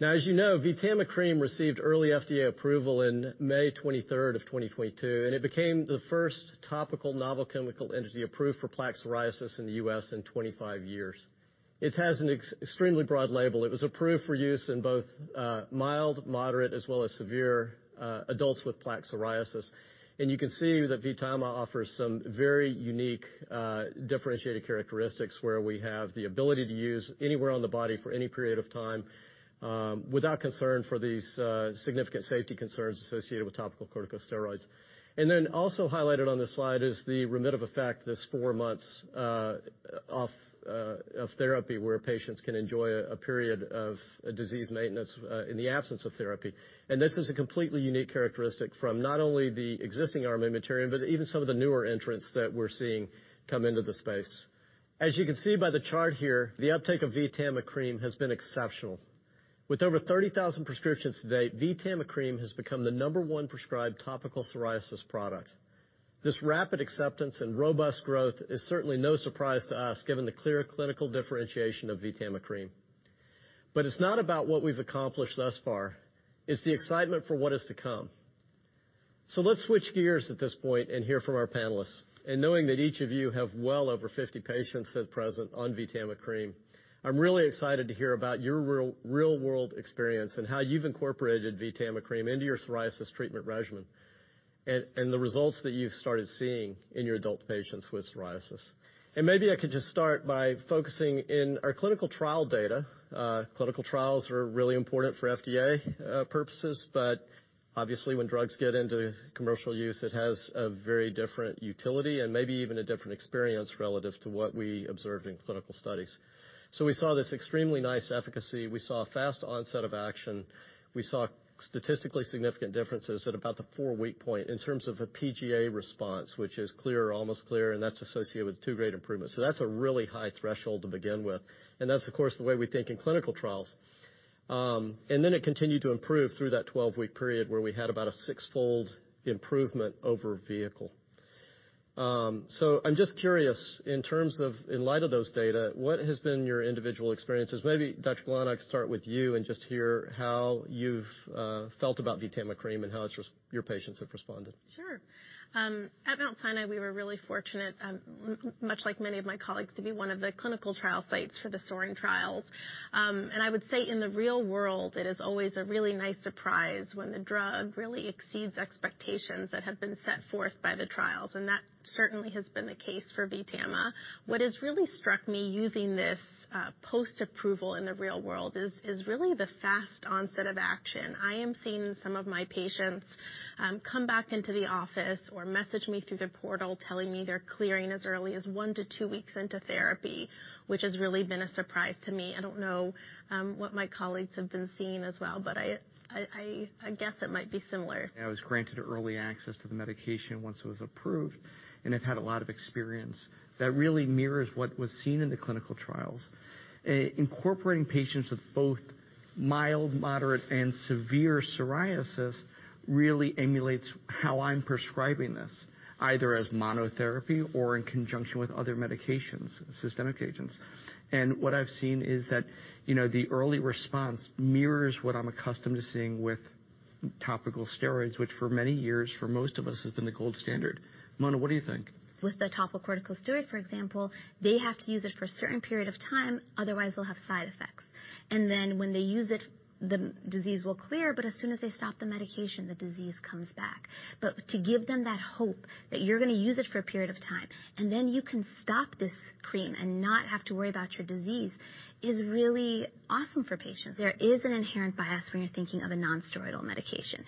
Now, as you know, VTAMA cream received early FDA approval in31st May 2022, and it became the first topical novel chemical entity approved for plaque psoriasis in the U.S. in 25 years. It has an extremely broad label. It was approved for use in both, mild, moderate, as well as severe, adults with plaque psoriasis. You can see that VTAMA offers some very unique, differentiated characteristics, where we have the ability to use anywhere on the body for any period of time, without concern for these, significant safety concerns associated with topical corticosteroids. Then also highlighted on this slide is the remittive effect, this four months, off, of therapy where patiencan enjoy a period of disease maintenance, in the absence of therapy. This is a completely unique characteristic from not only the existing armamentarium, but even some of the newer entrants that we're seeing come into the space. As you can see by the chart here, the uptake of VTAMA cream has been exceptional. With over 30,000 prescriptions today, VTAMA cream has become the number one prescribed topical psoriasis product. This rapid acceptance and robust growth is certainly no surprise to us, given the clear clinical differentiation of VTAMA cream. It's not about what we've accomplished thus far, it's the excitement for what is to come. Let's switch gears at this point and hear from our panelists. Knowing that each of you have well over 50 patients at present on VTAMA cream, I'm really excited to hear about your real-world experience and how you've incorporated VTAMA cream into your psoriasis treatment regimen. The results that you've started seeing in your adult patients with psoriasis. Maybe I could just start by focusing on our clinical trial data. Clinical trials are really important for FDA purposes, but obviously when drugs get into commercial use it has a very different utility and maybe even a different experience relative to what we observed in clinical studies. We saw this extremely nice efficacy, we saw fast onset of action, we saw statistically significant differences at about the four-week point in terms of a PGA response, which is clear or almost clear, and that's associated with two-grade improvements. That's a really high threshold to begin with, and that's of course the way we think in clinical trials. It continued to improve through that 12-week period where we had about a sixfold improvement over vehicle. I'm just curious, in terms of in light of those data, what has been your individual experiences? Maybe Dr. Golant, I can start with you and just hear how you've felt about VTAMA cream and how it's your patients have responded. Sure. At Mount Sinai, we were really fortunate, much like many of my colleagues, to be one of the clinical trial sites for the PSOARING trials. I would say in the real world it is always a really nice surprise when the drug really exceeds expectations that have been set forth by the trials, and that certainly has been the case for VTAMA. What has really struck me using this post-approval in the real world is really the fast onset of action. I am seeing some of my patients come back into the office or message me through the portal telling me they're clearing as early as 1-2 weeks into therapy, which has really been a surprise to me. I don't know what my colleagues have been seeing as well, but I guess it might be similar. I was granted early access to the medication once it was approved, and I've had a lot of experience that really mirrors what was seen in the clinical trials. Incorporating patients with both mild, moderate, and severe psoriasis really emulates how I'm prescribing this, either as monotherapy or in conjunction with other medications, systemic agents. What I've seen is that, you know, the early response mirrors what I'm accustomed to seeing with topical steroids, which for many years for most of us has been the gold standard. Mona, what do you think? With the topical corticosteroid, for example, they have to use it for a certain period of time, otherwise they'll have side effects. Then when they use it, the disease will clear, but as soon as they stop the medication, the disease comes back. To give them that hope that you're gonna use it for a period of time, and then you can stop this cream and not have to worry about your disease is really awesome for patients. There is an inherent bias when you're thinking of a non-steroidal medication.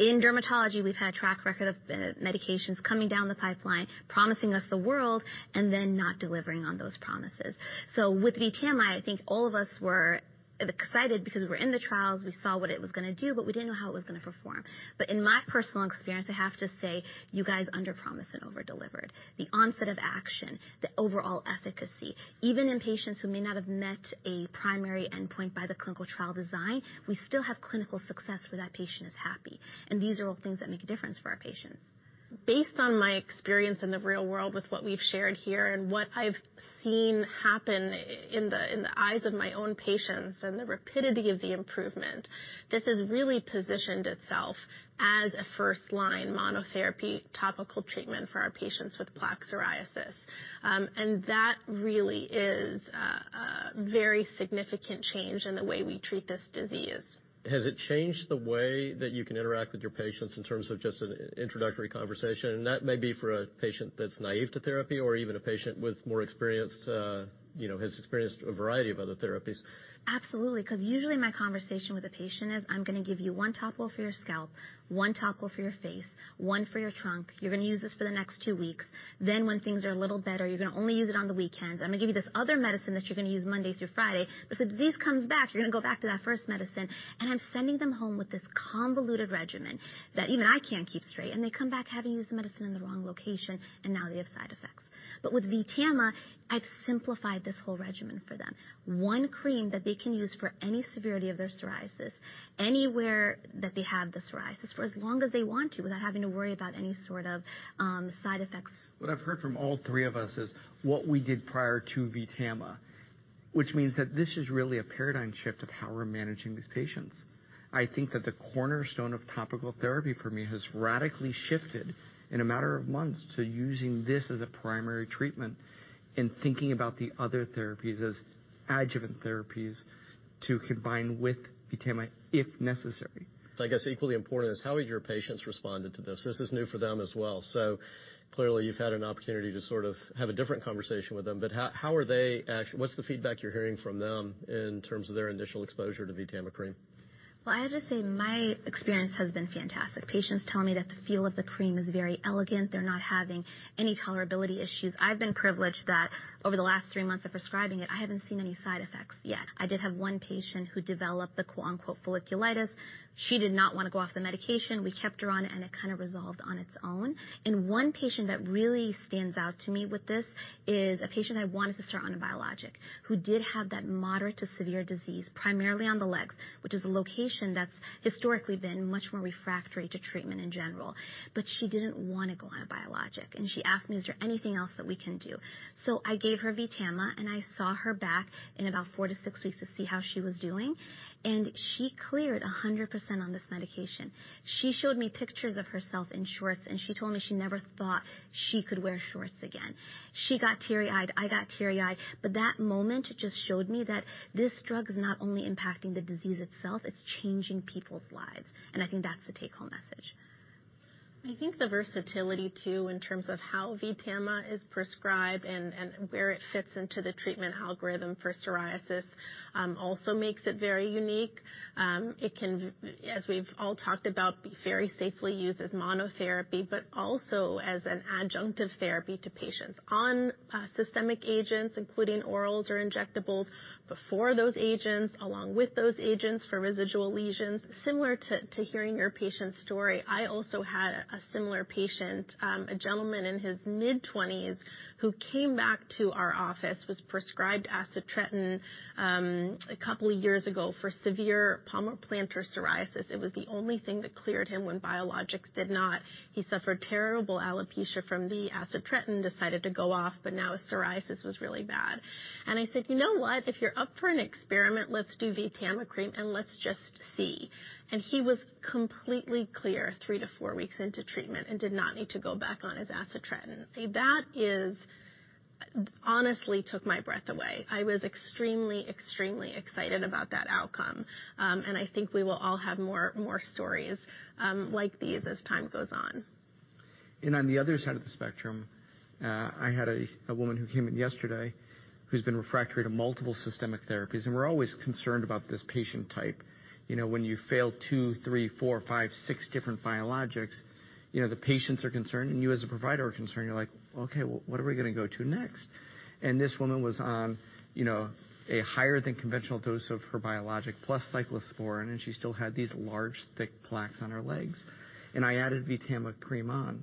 In dermatology, we've had a track record of medications coming down the pipeline, promising us the world and then not delivering on those promises. With VTAMA, I think all of us were excited because we're in the trials, we saw what it was gonna do, but we didn't know how it was gonna perform. In my personal experience, I have to say, you guys underpromise and over-delivered. The onset of action, the overall efficacy, even in patients who may not have met a primary endpoint by the clinical trial design, we still have clinical success where that patient is happy, and these are all things that make a difference for our patients. Based on my experience in the real world with what we've shared here and what I've seen happen in the eyes of my own patients and the rapidity of the improvement, this has really positioned itself as a first-line monotherapy topical treatment for our patients with plaque psoriasis. That really is a very significant change in the way we treat this disease. Has it changed the way that you can interact with your patients in terms of just an introductory conversation? That may be for a patient that's naive to therapy or even a patient with more experienced, you know, has experienced a variety of other therapies. Absolutely, 'cause usually my conversation with a patient is, "I'm gonna give you one topical for your scalp, one topical for your face, one for your trunk. You're gonna use this for the next two weeks. Then when things are a little better, you're gonna only use it on the weekends. I'm gonna give you this other medicine that you're gonna use Monday through Friday. But if the disease comes back, you're gonna go back to that first medicine." And I'm sending them home with this convoluted regimen that even I can't keep straight, and they come back having used the medicine in the wrong location, and now they have side effects. With VTAMA, I've simplified this whole regimen for them. One cream that they can use for any severity of their psoriasis, anywhere that they have the psoriasis for as long as they want to without having to worry about any sort of side effects. What I've heard from all three of us is what we did prior to VTAMA, which means that this is really a paradigm shift of how we're managing these patients. I think that the cornerstone of topical therapy for me has radically shifted in a matter of months to using this as a primary treatment and thinking about the other therapies as adjuvant therapies to combine with VTAMA if necessary. I guess equally important is how have your patients responded to this? This is new for them as well. Clearly you've had an opportunity to sort of have a different conversation with them, but what's the feedback you're hearing from them in terms of their initial exposure to VTAMA cream? Well, I have to say my experience has been fantastic. Patients tell me that the feel of the cream is very elegant. They're not having any tolerability issues. I've been privileged that over the last three months of prescribing it, I haven't seen any side effects yet. I did have one patient who developed the quote, unquote, "folliculitis." She did not wanna go off the medication. We kept her on it, and it kind of resolved on its own. One patient that really stands out to me with this is a patient I wanted to start on a biologic who did have that moderate to severe disease, primarily on the legs, which is a location that's historically been much more refractory to treatment in general. She didn't wanna go on a biologic, and she asked me, "Is there anything else that we can do?" I gave her VTAMA, and I saw her back in about 4-6 weeks to see how she was doing, and she cleared 100% on this medication. She showed me pictures of herself in shorts, and she told me she never thought she could wear shorts again. She got teary-eyed. I got teary-eyed. That moment just showed me that this drug is not only impacting the disease itself, it's changing people's lives, and I think that's the take-home message. I think the versatility, too, in terms of how VTAMA is prescribed and where it fits into the treatment algorithm for psoriasis also makes it very unique. It can, as we've all talked about, be very safely used as monotherapy, but also as an adjunctive therapy to patients on systemic agents, including orals or injectables, before those agents, along with those agents for residual lesions. Similar to hearing your patient's story, I also had a similar patient, a gentleman in his mid-twenties who came back to our office, was prescribed acitretin a couple years ago for severe palmoplantar psoriasis. It was the only thing that cleared him when biologics did not. He suffered terrible alopecia from the acitretin, decided to go off, but now his psoriasis was really bad. I said, "You know what? If you're up for an experiment, let's do VTAMA cream and let's just see." He was completely clear 3-4 weeks into treatment and did not need to go back on his acitretin. That honestly took my breath away. I was extremely excited about that outcome, and I think we will all have more stories like these as time goes on. On the other side of the spectrum, I had a woman who came in yesterday who's been refractory to multiple systemic therapies, and we're always concerned about this patient type. You know, when you fail two, three, four, five, six different biologics, you know, the patients are concerned, and you as a provider are concerned. You're like, "Okay, well, what are we gonna go to next?" This woman was on, you know, a higher than conventional dose of her biologic plus cyclosporine, and she still had these large, thick plaques on her legs. I added VTAMA cream on,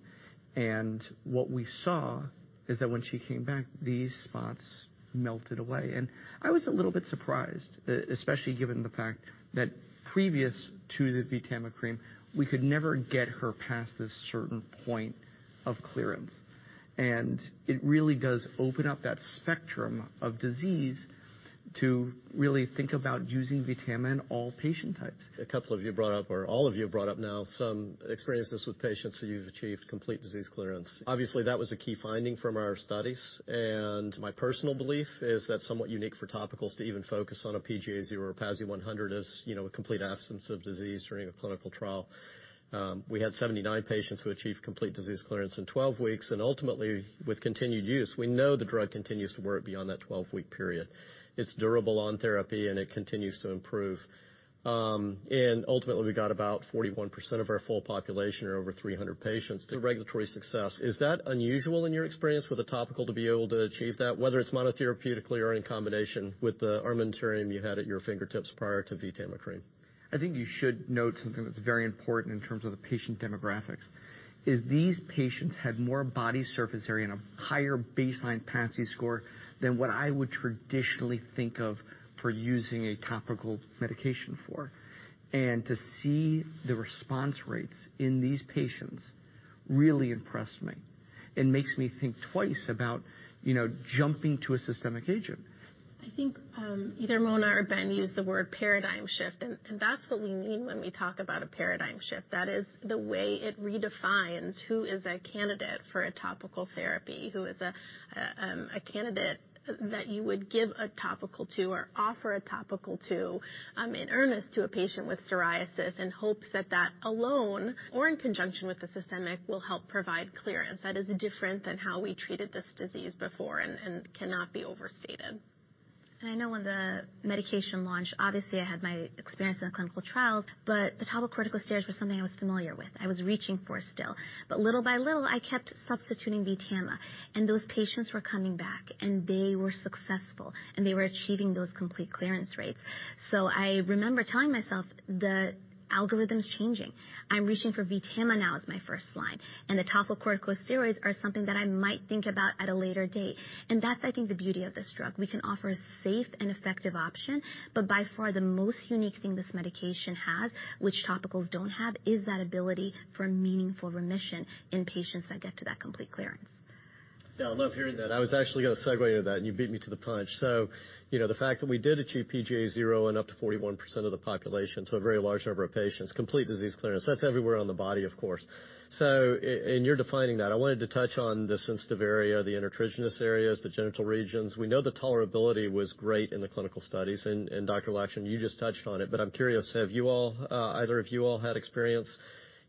and what we saw is that when she came back, these spots melted away. I was a little bit surprised, especially given the fact that previous to the VTAMA cream, we could never get her past this certain point of clearance. It really does open up that spectrum of disease to really think about using VTAMA in all patient types. A couple of you brought up, or all of you have brought up now some experiences with patients that you've achieved complete disease clearance. Obviously, that was a key finding from our studies, and my personal belief is that's somewhat unique for topicals to even focus on a PGA 0 or PASI 100 is, you know, a complete absence of disease during a clinical trial. We had 79 patients who achieved complete disease clearance in 12 weeks, and ultimately, with continued use, we know the drug continues to work beyond that 12-week period. It's durable on therapy, and it continues to improve. Ultimately, we got about 41% of our full population or over 300 patients to regulatory success. Is that unusual in your experience with a topical to be able to achieve that, whether it's monotherapeutically or in combination with the armamentarium you had at your fingertips prior to VTAMA cream? I think you should note something that's very important in terms of the patient demographics, is these patients had more body surface area and a higher baseline PASI score than what I would traditionally think of for using a topical medication for. To see the response rates in these patients really impressed me and makes me think twice about, you know, jumping to a systemic agent. I think either Mona or Ben used the word paradigm shift, and that's what we mean when we talk about a paradigm shift. That is the way it redefines who is a candidate for a topical therapy, who is a candidate that you would give a topical to or offer a topical to, in earnest to a patient with psoriasis in hopes that that alone or in conjunction with a systemic will help provide clearance. That is different than how we treated this disease before and cannot be overstated. I know when the medication launched, obviously I had my experience in the clinical trials, but the topical corticosteroids were something I was familiar with, I was reaching for still. Little by little, I kept substituting VTAMA, and those patients were coming back, and they were successful, and they were achieving those complete clearance rates. I remember telling myself the algorithm's changing. I'm reaching for VTAMA now as my first line, and the topical corticosteroids are something that I might think about at a later date. That's, I think, the beauty of this drug. We can offer a safe and effective option, but by far the most unique thing this medication has, which topicals don't have, is that ability for meaningful remission in patients that get to that complete clearance. Yeah, I love hearing that. I was actually gonna segue into that, and you beat me to the punch. You know, the fact that we did achieve PGA-0 in up to 41% of the population, so a very large number of patients, complete disease clearance, that's everywhere on the body, of course. In your defining that, I wanted to touch on the sensitive area, the intertriginous areas, the genital regions. We know the tolerability was great in the clinical studies, and Dr. Lockshin, you just touched on it, but I'm curious, have you all, either of you all had experience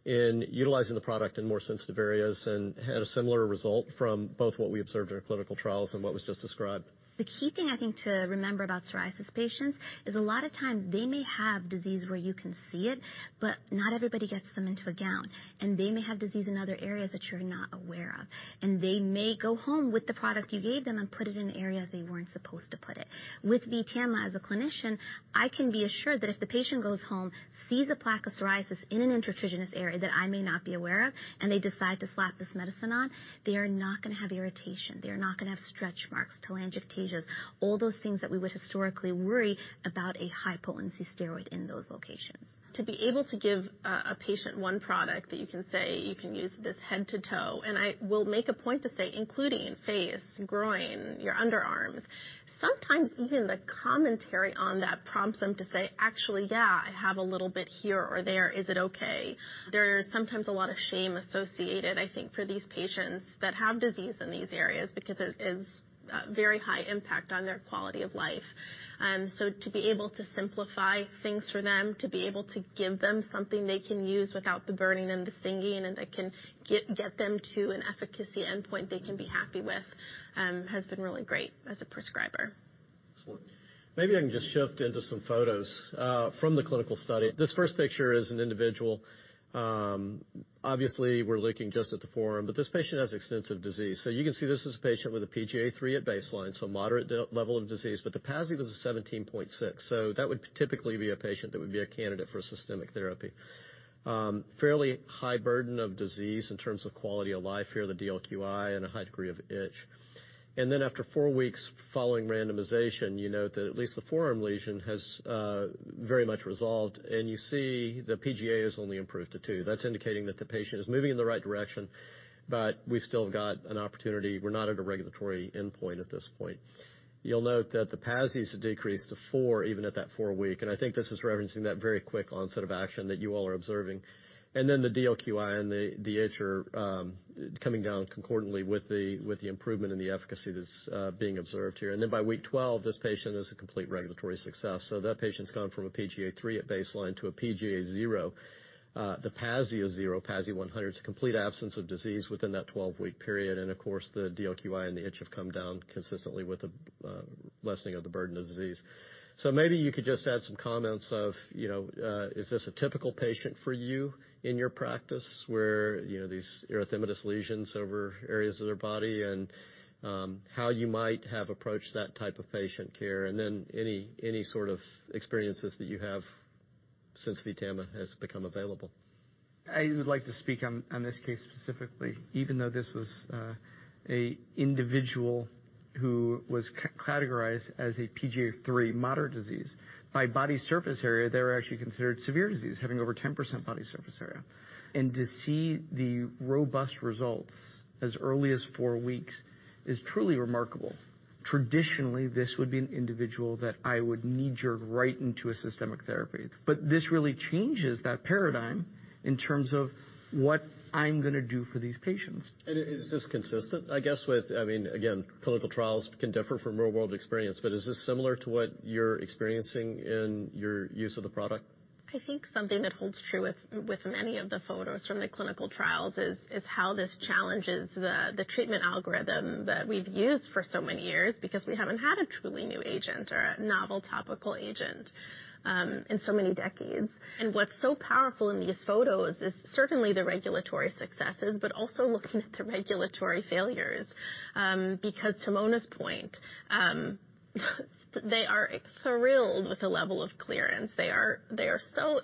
in utilizing the product in more sensitive areas and had a similar result from both what we observed in our clinical trials and what was just described? The key thing I think to remember about psoriasis patients is a lot of times they may have disease where you can see it, but not everybody gets them into a gown, and they may have disease in other areas that you're not aware of. They may go home with the product you gave them and put it in an area they weren't supposed to put it. With VTAMA, as a clinician, I can be assured that if the patient goes home, sees a plaque of psoriasis in an intertriginous area that I may not be aware of, and they decide to slap this medicine on, they are not gonna have irritation. They are not gonna have stretch marks, telangiectasias, all those things that we would historically worry about a high-potency steroid in those locations. To be able to give a patient one product that you can say, "You can use this head to toe," and I will make a point to say, including face, groin, your underarms. Sometimes even the commentary on that prompts them to say, "Actually, yeah, I have a little bit here or there. Is it okay?" There is sometimes a lot of shame associated, I think, for these patients that have disease in these areas, because it is very high impact on their quality of life. To be able to simplify things for them, to be able to give them something they can use without the burning and the stinging, and that can get them to an efficacy endpoint they can be happy with, has been really great as a prescriber. Excellent. Maybe I can just shift into some photos from the clinical study. This first picture is an individual, obviously we're looking just at the forearm, but this patient has extensive disease. You can see this is a patient with a PGA three at baseline, so moderate level of disease, but the PASI was a 17.6. That would typically be a patient that would be a candidate for systemic therapy. Fairly high burden of disease in terms of quality of life here, the DLQI, and a high degree of itch. Then after four weeks following randomization, you note that at least the forearm lesion has very much resolved, and you see the PGA has only improved to two. That's indicating that the patient is moving in the right direction, but we've still got an opportunity. We're not at a regulatory endpoint at this point. You'll note that the PASI's decreased to four even at that four week, and I think this is referencing that very quick onset of action that you all are observing. The DLQI and the itch are coming down concordantly with the improvement in the efficacy that's being observed here. By week 12, this patient is a complete regulatory success. That patient's gone from a PGA 3 at baseline to a PGA 0. The PASI is 0. PASI 100 is a complete absence of disease within that 12-week period, and of course, the DLQI and the itch have come down consistently with the lessening of the burden of disease. Maybe you could just add some comments of, you know, is this a typical patient for you in your practice, where, you know, these erythematous lesions over areas of their body, and how you might have approached that type of patient care, and then any sort of experiences that you have since VTAMA has become available. I would like to speak on this case specifically. Even though this was a individual who was categorized as a PGA 3 moderate disease, by body surface area, they were actually considered severe disease, having over 10% body surface area. To see the robust results as early as four weeks is truly remarkable. Traditionally, this would be an individual that I would knee-jerk right into a systemic therapy. This really changes that paradigm in terms of what I'm gonna do for these patients. Is this consistent? I guess with, I mean, again, clinical trials can differ from real-world experience, but is this similar to what you're experiencing in your use of the product? I think something that holds true with many of the photos from the clinical trials is how this challenges the treatment algorithm that we've used for so many years because we haven't had a truly new agent or a novel topical agent in so many decades. What's so powerful in these photos is certainly the regulatory successes, but also looking at the regulatory failures. Because to Mona's point, they are thrilled with the level of clearance. They are so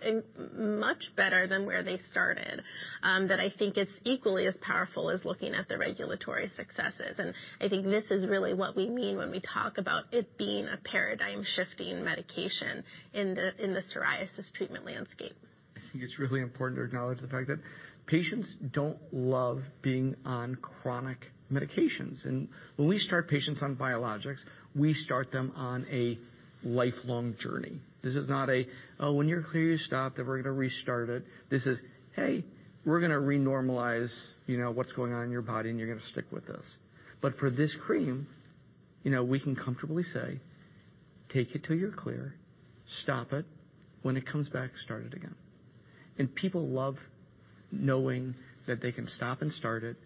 much better than where they started that I think it's equally as powerful as looking at the regulatory successes. I think this is really what we mean when we talk about it being a paradigm-shifting medication in the psoriasis treatment landscape. I think it's really important to acknowledge the fact that patients don't love being on chronic medications. When we start patients on biologics, we start them on a lifelong journey. This is not a, "Oh, when you're clear, you stop, then we're gonna restart it." This is, "Hey, we're gonna re-normalize, you know, what's going on in your body, and you're gonna stick with this." But for this cream, you know, we can comfortably say, "Take it till you're clear. Stop it. When it comes back, start it again." People love knowing that they can stop and start it,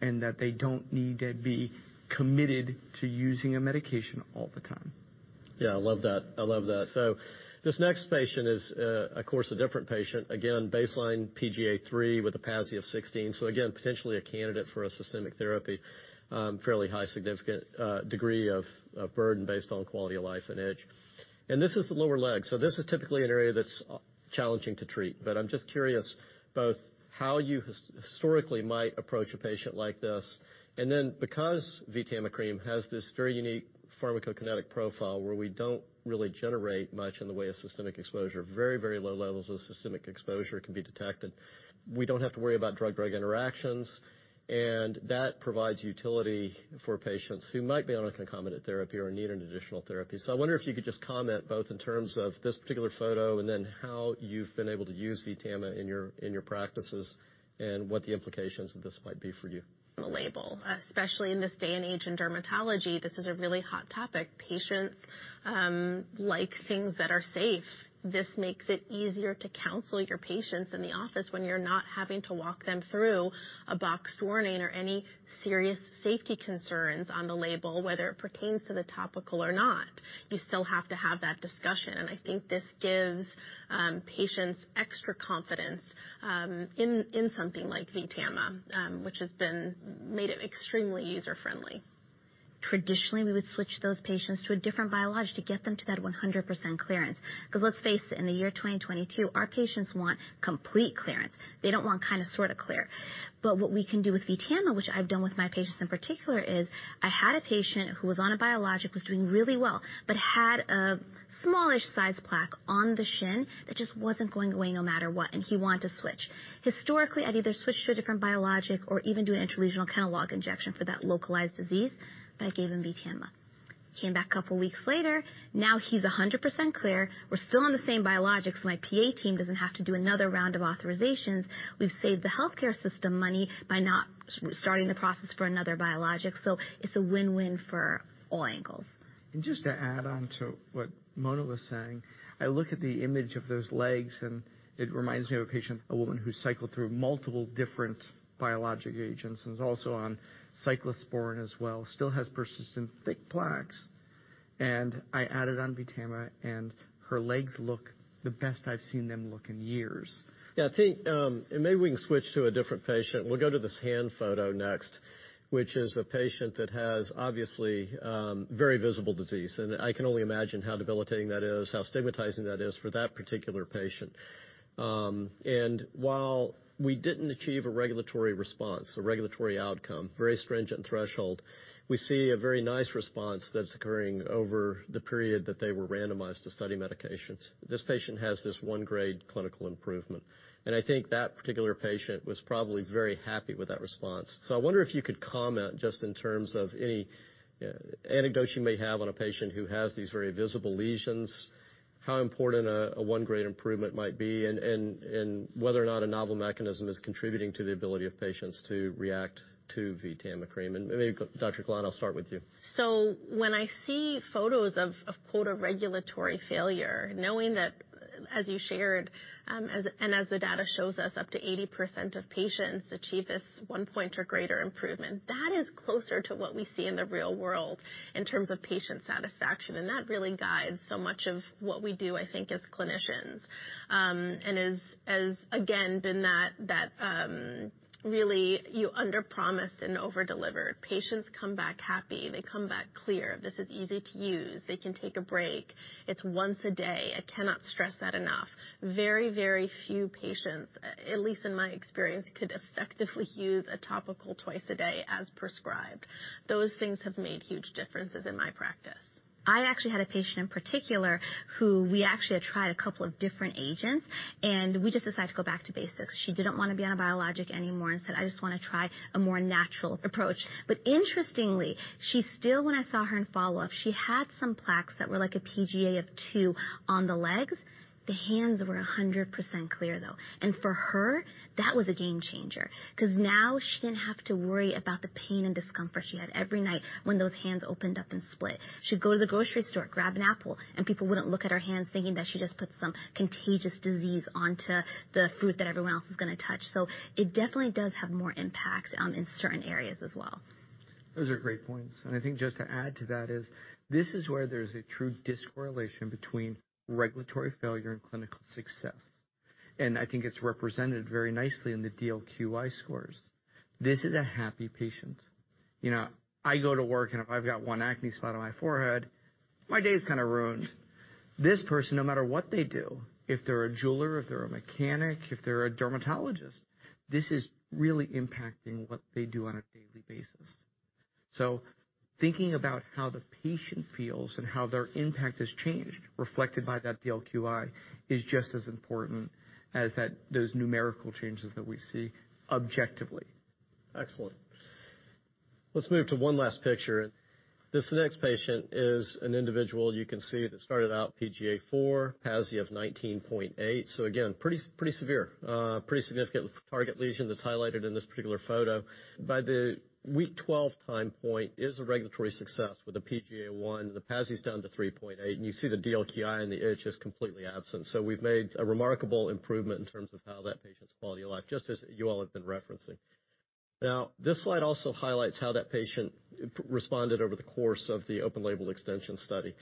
and that they don't need to be committed to using a medication all the time. Yeah, I love that. I love that. This next patient is, of course, a different patient. Again, baseline PGA 3 with a PASI of 16. Again, potentially a candidate for a systemic therapy. Fairly high significant degree of burden based on quality of life and itch. This is the lower leg, so this is typically an area that's challenging to treat. I'm just curious both how you historically might approach a patient like this, and then because VTAMA cream has this very unique pharmacokinetic profile where we don't really generate much in the way of systemic exposure, very, very low levels of systemic exposure can be detected. We don't have to worry about drug-drug interactions, and that provides utility for patients who might be on a concomitant therapy or need an additional therapy. I wonder if you could just comment both in terms of this particular photo and then how you've been able to use VTAMA in your practices, and what the implications of this might be for you. The label, especially in this day and age in dermatology, this is a really hot topic. Patients like things that are safe. This makes it easier to counsel your patients in the office when you're not having to walk them through a boxed warning or any serious safety concerns on the label, whether it pertains to the topical or not. You still have to have that discussion, and I think this gives patients extra confidence in something like VTAMA, which has been made extremely user-friendly. Traditionally, we would switch those patients to a different biologic to get them to that 100% clearance. Because let's face it, in the year 2022, our patients want complete clearance. They don't want kinda sorta clear. What we can do with VTAMA, which I've done with my patients in particular, is I had a patient who was on a biologic, was doing really well. Had a smallish size plaque on the shin that just wasn't going away no matter what, and he wanted to switch. Historically, I'd either switch to a different biologic or even do an intralesional Kenalog injection for that localized disease, but I gave him VTAMA. He came back a couple weeks later. Now he's 100% clear. We're still on the same biologics. My PA team doesn't have to do another round of authorizations. We've saved the healthcare system money by not starting the process for another biologic. It's a win-win for all angles. Just to add on to what Mona was saying, I look at the image of those legs, and it reminds me of a patient, a woman who cycled through multiple different biologic agents, and is also on cyclosporine as well, still has persistent thick plaques. I added on VTAMA, and her legs look the best I've seen them look in years. Yeah, I think, and maybe we can switch to a different patient. We'll go to this hand photo next, which is a patient that has, obviously, very visible disease. I can only imagine how debilitating that is, how stigmatizing that is for that particular patient. While we didn't achieve a regulatory response, a regulatory outcome, very stringent threshold, we see a very nice response that's occurring over the period that they were randomized to study medications. This patient has this one grade clinical improvement, and I think that particular patient was probably very happy with that response. I wonder if you could comment just in terms of any anecdotes you may have on a patient who has these very visible lesions, how important a one-grade improvement might be, and whether or not a novel mechanism is contributing to the ability of patients to react to VTAMA cream. Maybe Dr. Golant, I'll start with you. When I see photos of quote, "a regulatory failure," knowing that as you shared, and as the data shows us, up to 80% of patients achieve this one point or greater improvement, that is closer to what we see in the real world in terms of patient satisfaction. That really guides so much of what we do, I think, as clinicians. Really you underpromise and overdeliver. Patients come back happy. They come back clear. This is easy to use. They can take a break. It's once a day. I cannot stress that enough. Very, very few patients, at least in my experience, could effectively use a topical twice a day as prescribed. Those things have made huge differences in my practice. I actually had a patient in particular who we actually had tried a couple of different agents, and we just decided to go back to basics. She didn't wanna be on a biologic anymore and said, "I just wanna try a more natural approach." Interestingly, she still, when I saw her in follow-up, she had some plaques that were like a PGA of two on the legs. The hands were 100% clear, though. For her, that was a game changer, 'cause now she didn't have to worry about the pain and discomfort she had every night when those hands opened up and split. She'd go to the grocery store, grab an apple, and people wouldn't look at her hands thinking that she just put some contagious disease onto the food that everyone else is gonna touch. It definitely does have more impact in certain areas as well. Those are great points. I think just to add to that is this is where there's a true discorrelation between regulatory failure and clinical success. I think it's represented very nicely in the DLQI scores. This is a happy patient. You know, I go to work, and if I've got one acne spot on my forehead, my day is kinda ruined. This person, no matter what they do, if they're a jeweler, if they're a mechanic, if they're a dermatologist, this is really impacting what they do on a daily basis. Thinking about how the patient feels and how their impact has changed, reflected by that DLQI, is just as important as that, those numerical changes that we see objectively. Excellent. Let's move to one last picture. This next patient is an individual you can see that started out PGA 4, PASI of 19.8. So again, pretty severe. Pretty significant target lesion that's highlighted in this particular photo. By the week 12x point is a regulatory success with a PGA 1. The PASI's down to 3.8, and you see the DLQI and the itch is completely absent. So we've made a remarkable improvement in terms of how that patient's quality of life, just as you all have been referencing. Now, this slide also highlights how that patient responded over the course of the open label extension study.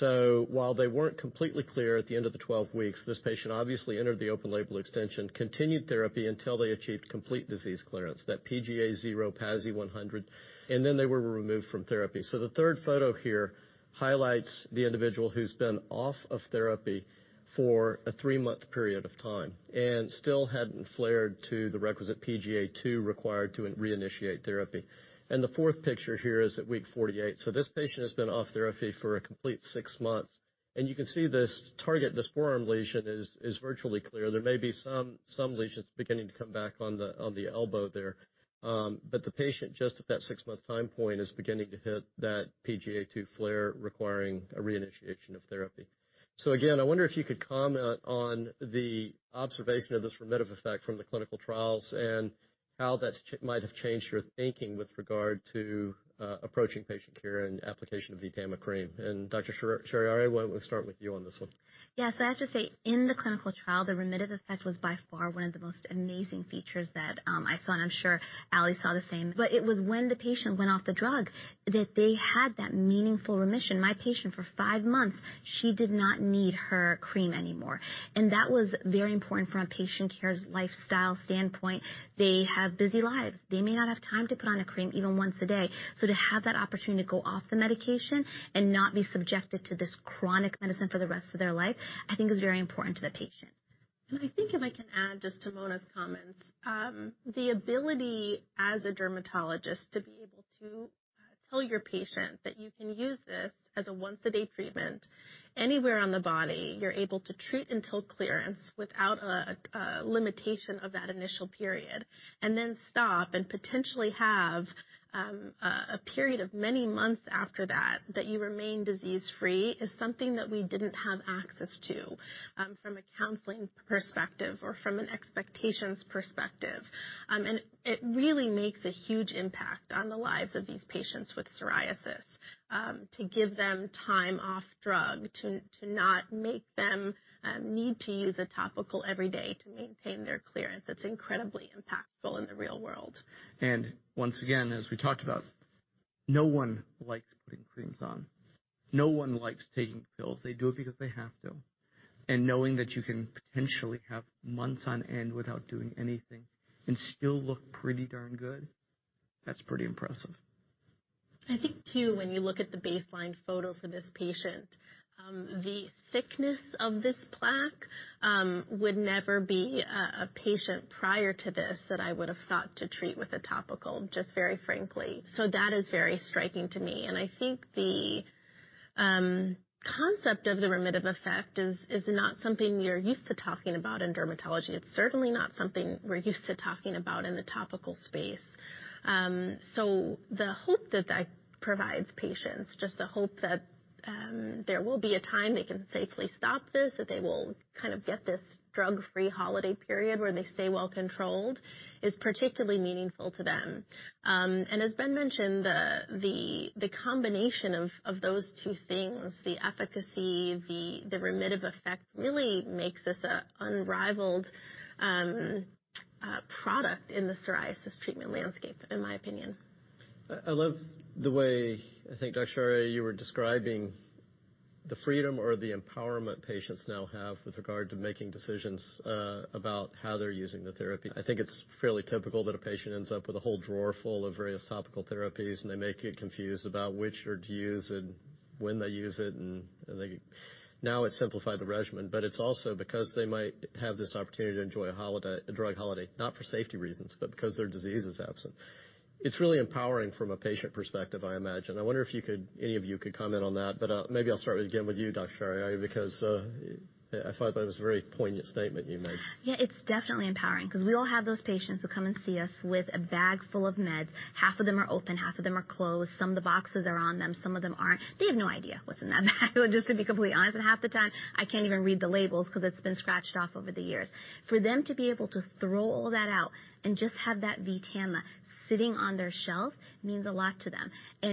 While they weren't completely clear at the end of the 12 weeks, this patient obviously entered the open label extension, continued therapy until they achieved complete disease clearance, that PGA 0, PASI 100, and then they were removed from therapy. The third photo here highlights the individual who's been off of therapy for a three month period of time and still hadn't flared to the requisite PGA 2 required to reinitiate therapy. The fourth picture here is at week 48. This patient has been off therapy for a complete six months, and you can see this target, this forearm lesion is virtually clear. There may be some lesions beginning to come back on the elbow there. But the patient just at that six month time point is beginning to hit that PGA 2 flare requiring a reinitiation of therapy. Again, I wonder if you could comment on the observation of this remittive effect from the clinical trials and how that might have changed your thinking with regard to approaching patient care and application of VTAMA cream. Dr. Sadeghpour, why don't we start with you on this one? Yeah. I have to say, in the clinical trial, the remittive effect was by far one of the most amazing features that I saw, and I'm sure Ally saw the same. It was when the patient went off the drug that they had that meaningful remission. My patient for five months, she did not need her cream anymore. That was very important from a patient care's lifestyle standpoint. They have busy lives. They may not have time to put on a cream even once a day. To have that opportunity to go off the medication and not be subjected to this chronic medicine for the rest of their life, I think is very important to the patient. I think if I can add just to Mona's comments, the ability as a dermatologist to be able to tell your patient that you can use this as a once a day treatment anywhere on the body, you're able to treat until clearance without a limitation of that initial period, and then stop and potentially have a period of many months after that you remain disease-free, is something that we didn't have access to from a counseling perspective or from an expectations perspective. It really makes a huge impact on the lives of these patients with psoriasis to give them time off drug to not make them need to use a topical every day to maintain their clearance. It's incredibly impactful in the real world. Once again, as we talked about, no one likes putting creams on. No one likes taking pills. They do it because they have to. Knowing that you can potentially have months on end without doing anything and still look pretty darn good, that's pretty impressive. I think too, when you look at the baseline photo for this patient, the thickness of this plaque, would never be a patient prior to this that I would have thought to treat with a topical, just very frankly. That is very striking to me. I think the concept of the remittive effect is not something we're used to talking about in dermatology. It's certainly not something we're used to talking about in the topical space. The hope that that provides patients, just the hope that there will be a time they can safely stop this, that they will kind of get this drug-free holiday period where they stay well controlled, is particularly meaningful to them. As Ben mentioned, the combination of those two things, the efficacy, the remittive effect, really makes this a unrivaled product in the psoriasis treatment landscape, in my opinion. I love the way I think, Dr. Mona Sadeghpour, you were describing the freedom or the empowerment patients now have with regard to making decisions about how they're using the therapy. I think it's fairly typical that a patient ends up with a whole drawer full of various topical therapies, and they may get confused about which are to use and when they use it. Now it's simplified the regimen, but it's also because they might have this opportunity to enjoy a holiday, a drug holiday, not for safety reasons, but because their disease is absent. It's really empowering from a patient perspective, I imagine. I wonder if you could, any of you could comment on that, but maybe I'll start again with you, Dr. Mona Sadeghpour, because I thought that was a very poignant statement you made. Yeah, it's definitely empowering because we all have those patients who come and see us with a bag full of meds. Half of them are open, half of them are closed. Some of the boxes are on them, some of them aren't. They have no idea what's in that bag, just to be completely honest, and half the time, I can't even read the labels because it's been scratched off over the years. For them to be able to throw all that out and just have that VTAMA sitting on their shelf means a lot to them.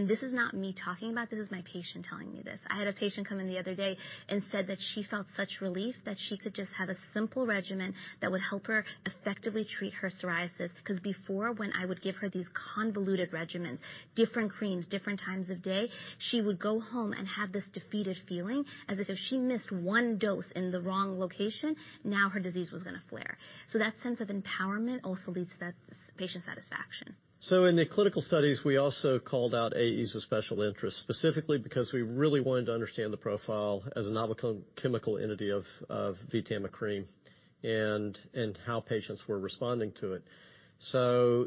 This is not me talking about this. This is my patient telling me this. I had a patient come in the other day and said that she felt such relief that she could just have a simple regimen that would help her effectively treat her psoriasis. Before, when I would give her these convoluted regimens, different creams, different times of day, she would go home and have this defeated feeling as if she missed one dose in the wrong location, now her disease was going to flare. That sense of empowerment also leads to that patient satisfaction. In the clinical studies, we also called out AEs of special interest, specifically because we really wanted to understand the profile as a novel chemical entity of VTAMA cream and how patients were responding to it.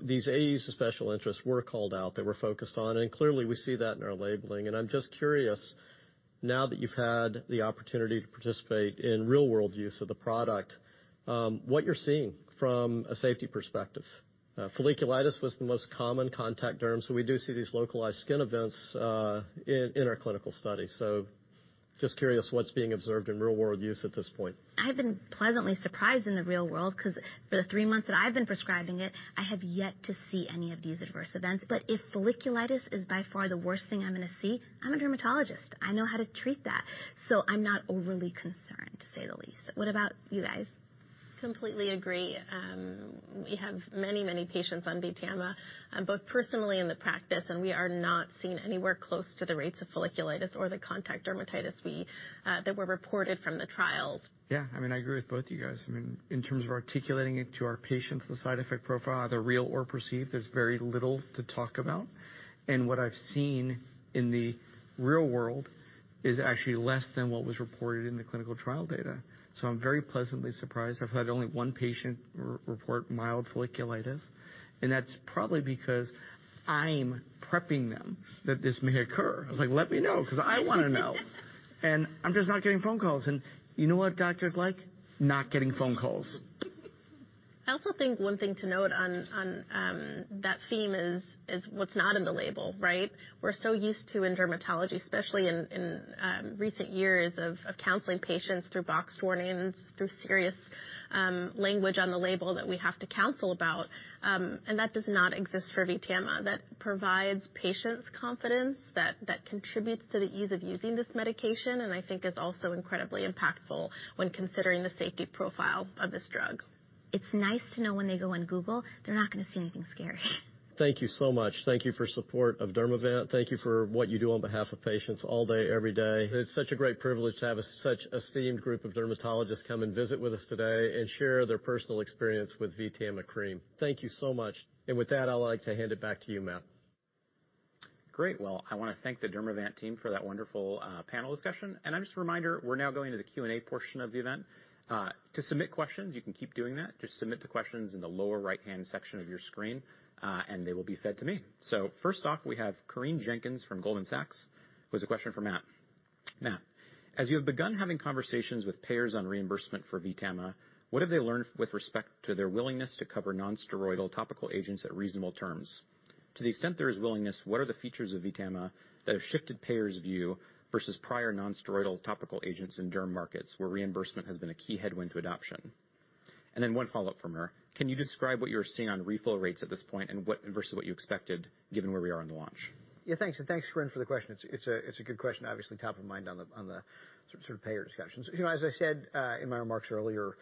These AEs of special interest were called out. They were focused on, and clearly, we see that in our labeling. I'm just curious, now that you've had the opportunity to participate in real-world use of the product, what you're seeing from a safety perspective. Folliculitis was the most common contact dermatitis, so we do see these localized skin events in our clinical study. Just curious what's being observed in real-world use at this point. I've been pleasantly surprised in the real world because for the three months that I've been prescribing it, I have yet to see any of these adverse events. If folliculitis is by far the worst thing I'm gonna see, I'm a dermatologist, I know how to treat that. I'm not overly concerned, to say the least. What about you guys? Completely agree. We have many, many patients on VTAMA, both personally in the practice, and we are not seeing anywhere close to the rates of folliculitis or the contact dermatitis that were reported from the trials. Yeah. I mean, I agree with both you guys. I mean, in terms of articulating it to our patients, the side effect profile, either real or perceived, there's very little to talk about. What I've seen in the real world is actually less than what was reported in the clinical trial data. I'm very pleasantly surprised. I've had only one patient re-report mild folliculitis, and that's probably because I'm prepping them that this may occur. I was like, "Let me know 'cause I wanna know." I'm just not getting phone calls. You know what doctors like? Not getting phone calls. I also think one thing to note on that theme is what's not in the label, right? We're so used to in dermatology, especially in recent years of counseling patients through box warnings, through serious language on the label that we have to counsel about. That does not exist for VTAMA. That provides patients confidence that contributes to the ease of using this medication, and I think is also incredibly impactful when considering the safety profile of this drug. It's nice to know when they go on Google, they're not gonna see anything scary. Thank you so much. Thank you for support of Dermavant. Thank you for what you do on behalf of patients all day, every day. It's such a great privilege to have such esteemed group of dermatologists come and visit with us today and share their personal experience with VTAMA cream. Thank you so much. With that, I'd like to hand it back to you, Matt Gline. Great. Well, I wanna thank the Dermavant team for that wonderful panel discussion. Just a reminder, we're now going to the Q&A portion of the event. To submit questions, you can keep doing that. Just submit the questions in the lower right-hand section of your screen, and they will be fed to me. First off, we have Corinne Jenkins from Goldman Sachs, who has a question for Matt. Matt, as you have begun having conversations with payers on reimbursement for VTAMA, what have you learned with respect to their willingness to cover non-steroidal topical agents at reasonable terms? To the extent there is willingness, what are the features of VTAMA that have shifted payers' view versus prior non-steroidal topical agents in derm markets where reimbursement has been a key headwind to adoption? And then one follow-up from her. Can you describe what you're seeing on refill rates at this point and what versus what you expected given where we are in the launch? Yeah, thanks. Thanks, Corinne, for the question. It's a good question, obviously top of mind on the sort of payer discussions. You know, as I said, in my remarks earlier,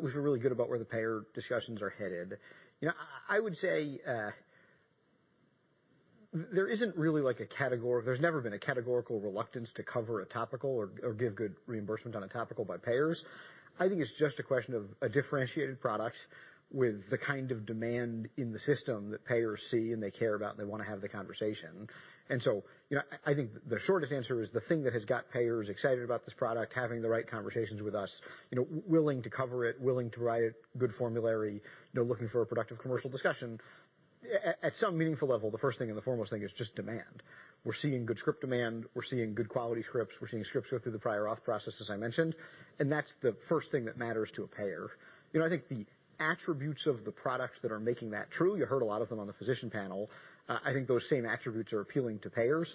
we feel really good about where the payer discussions are headed. You know, I would say, there isn't really like a category. There's never been a categorical reluctance to cover a topical or give good reimbursement on a topical by payers. I think it's just a question of a differentiated product with the kind of demand in the system that payers see and they care about, and they wanna have the conversation. You know, I think the shortest answer is the thing that has got payers excited about this product, having the right conversations with us, you know, willing to cover it, willing to write a good formulary, you know, looking for a productive commercial discussion. At some meaningful level, the first thing and the foremost thing is just demand. We're seeing good script demand. We're seeing good quality scripts. We're seeing scripts go through the prior auth process, as I mentioned, and that's the first thing that matters to a payer. You know, I think the attributes of the products that are making that true, you heard a lot of them on the physician panel. I think those same attributes are appealing to payers.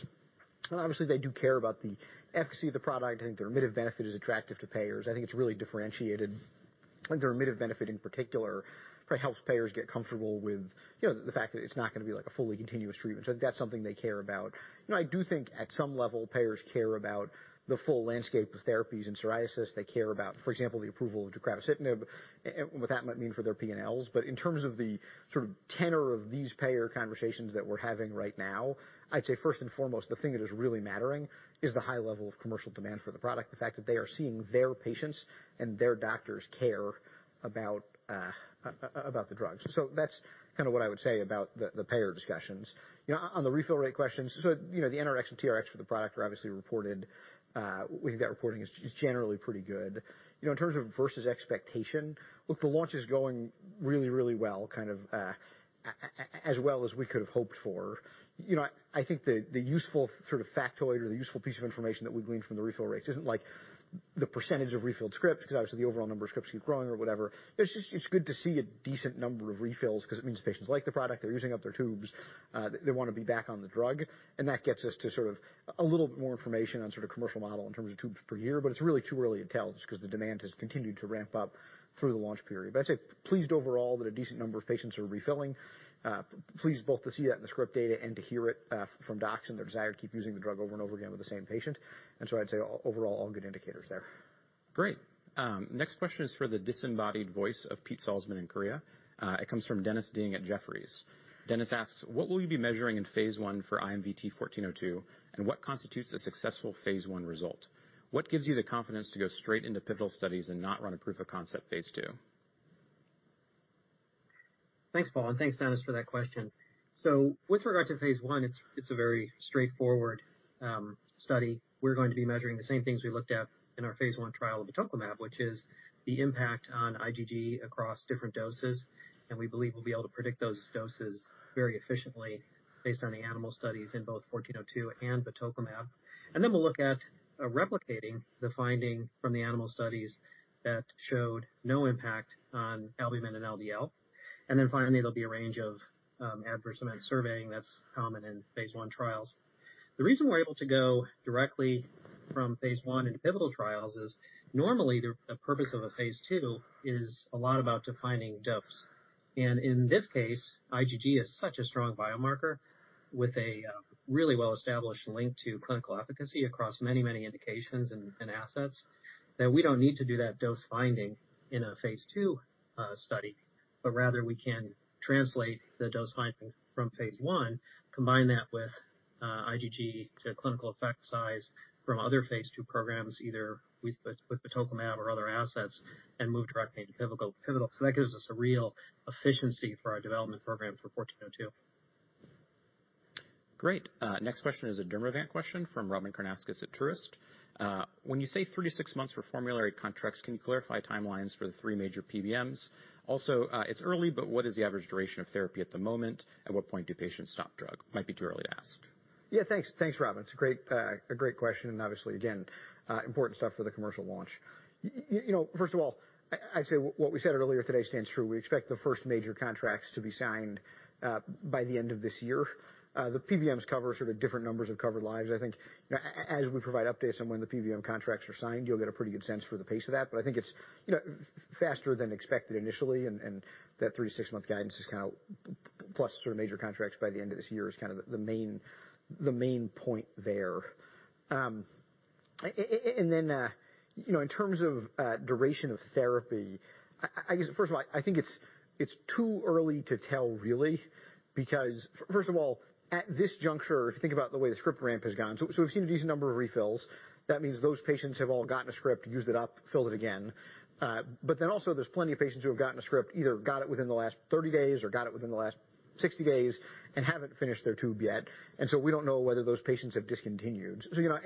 Obviously, they do care about the efficacy of the product. I think the remittive benefit is attractive to payers. I think it's really differentiated. The remittive benefit, in particular, probably helps payers get comfortable with, you know, the fact that it's not gonna be like a fully continuous treatment. That's something they care about. You know, I do think at some level, payers care about the full landscape of therapies in psoriasis. They care about, for example, the approval of deucravacitinib and what that might mean for their P&Ls. In terms of the sort of tenor of these payer conversations that we're having right now, I'd say first and foremost, the thing that is really mattering is the high level of commercial demand for the product, the fact that they are seeing their patients and their doctors care about about the drug. That's kinda what I would say about the payer discussions. You know, on the refill rate questions. You know, the NRx and TRX for the product are obviously reported. We think that reporting is generally pretty good. You know, in terms of versus expectation, look, the launch is going really, really well, kind of, as well as we could have hoped for. You know, I think the useful sort of factoid or the useful piece of information that we've gleaned from the refill rates isn't like the percentage of refilled scripts, 'cause obviously the overall number of scripts keep growing or whatever. It's just good to see a decent number of refills 'cause it means patients like the product, they're using up their tubes, they wanna be back on the drug, and that gets us to sort of a little bit more information on sort of commercial model in terms of tubes per year. It's really too early to tell just 'cause the demand has continued to ramp up through the launch period. I'd say pleased overall that a decent number of patients are refilling. Pleased both to see that in the script data and to hear it from docs and their desire to keep using the drug over and over again with the same patient. I'd say overall, all good indicators there. Great. Next question is for the disembodied voice of Pete Salzmann in Korea. It comes from Dennis Ding at Jefferies. Dennis asks, "What will you be measuring in phase I for IMVT-1402, and what constitutes a successful phase I result? What gives you the confidence to go straight into pivotal studies and not run a proof of concept phase II? Thanks, Paul, and thanks, Dennis, for that question. With regard to phase I, it's a very straightforward study. We're going to be measuring the same things we looked at in our phase I trial of batoclimab, which is the impact on IgG across different doses. We believe we'll be able to predict those doses very efficiently based on the animal studies in both IMVT-1402 and batoclimab. We'll look at replicating the finding from the animal studies that showed no impact on albumin and LDL. There'll be a range of adverse event surveying that's common in phase I trials. The reason we're able to go directly from phase I into pivotal trials is normally the purpose of a phase II is a lot about defining dose. In this case, IgG is such a strong biomarker with a really well-established link to clinical efficacy across many indications and assets that we don't need to do that dose finding in a phase II study, but rather we can translate the dose finding from phase I, combine that with IgG to clinical effect size from other phase II programs, either with batoclimab or other assets, and move directly into pivotal. That gives us a real efficiency for our development program for 1402. Great. Next question is a Dermavant question from Robyn Karnauskas at Truist. When you say 3-6 months for formulary contracts, can you clarify timelines for the 3 major PBMs? Also, it's early, but what is the average duration of therapy at the moment? At what point do patients stop drug? Might be too early to ask. Yeah, thanks. Thanks, Robyn. It's a great question, and obviously, again, important stuff for the commercial launch. You know, first of all, I'd say what we said earlier today stands true. We expect the first major contracts to be signed by the end of this year. The PBMs cover sort of different numbers of covered lives. I think, you know, as we provide updates on when the PBM contracts are signed, you'll get a pretty good sense for the pace of that. But I think it's, you know, faster than expected initially, and that 3-6-month guidance is kinda plus sort of major contracts by the end of this year is kinda the main point there. You know, in terms of duration of therapy, I guess, first of all, I think it's too early to tell, really. Because first of all, at this juncture, if you think about the way the script ramp has gone, so we've seen a decent number of refills. That means those patients have all gotten a script, used it up, filled it again. Then also, there's plenty of patients who have gotten a script, either got it within the last 30 days or got it within the last 60 days and haven't finished their tube yet. We don't know whether those patients have discontinued. You know,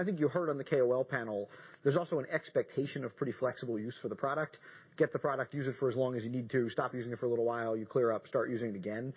I think you heard on the KOL panel, there's also an expectation of pretty flexible use for the product. Get the product, use it for as long as you need to, stop using it for a little while, you clear up, start using it again.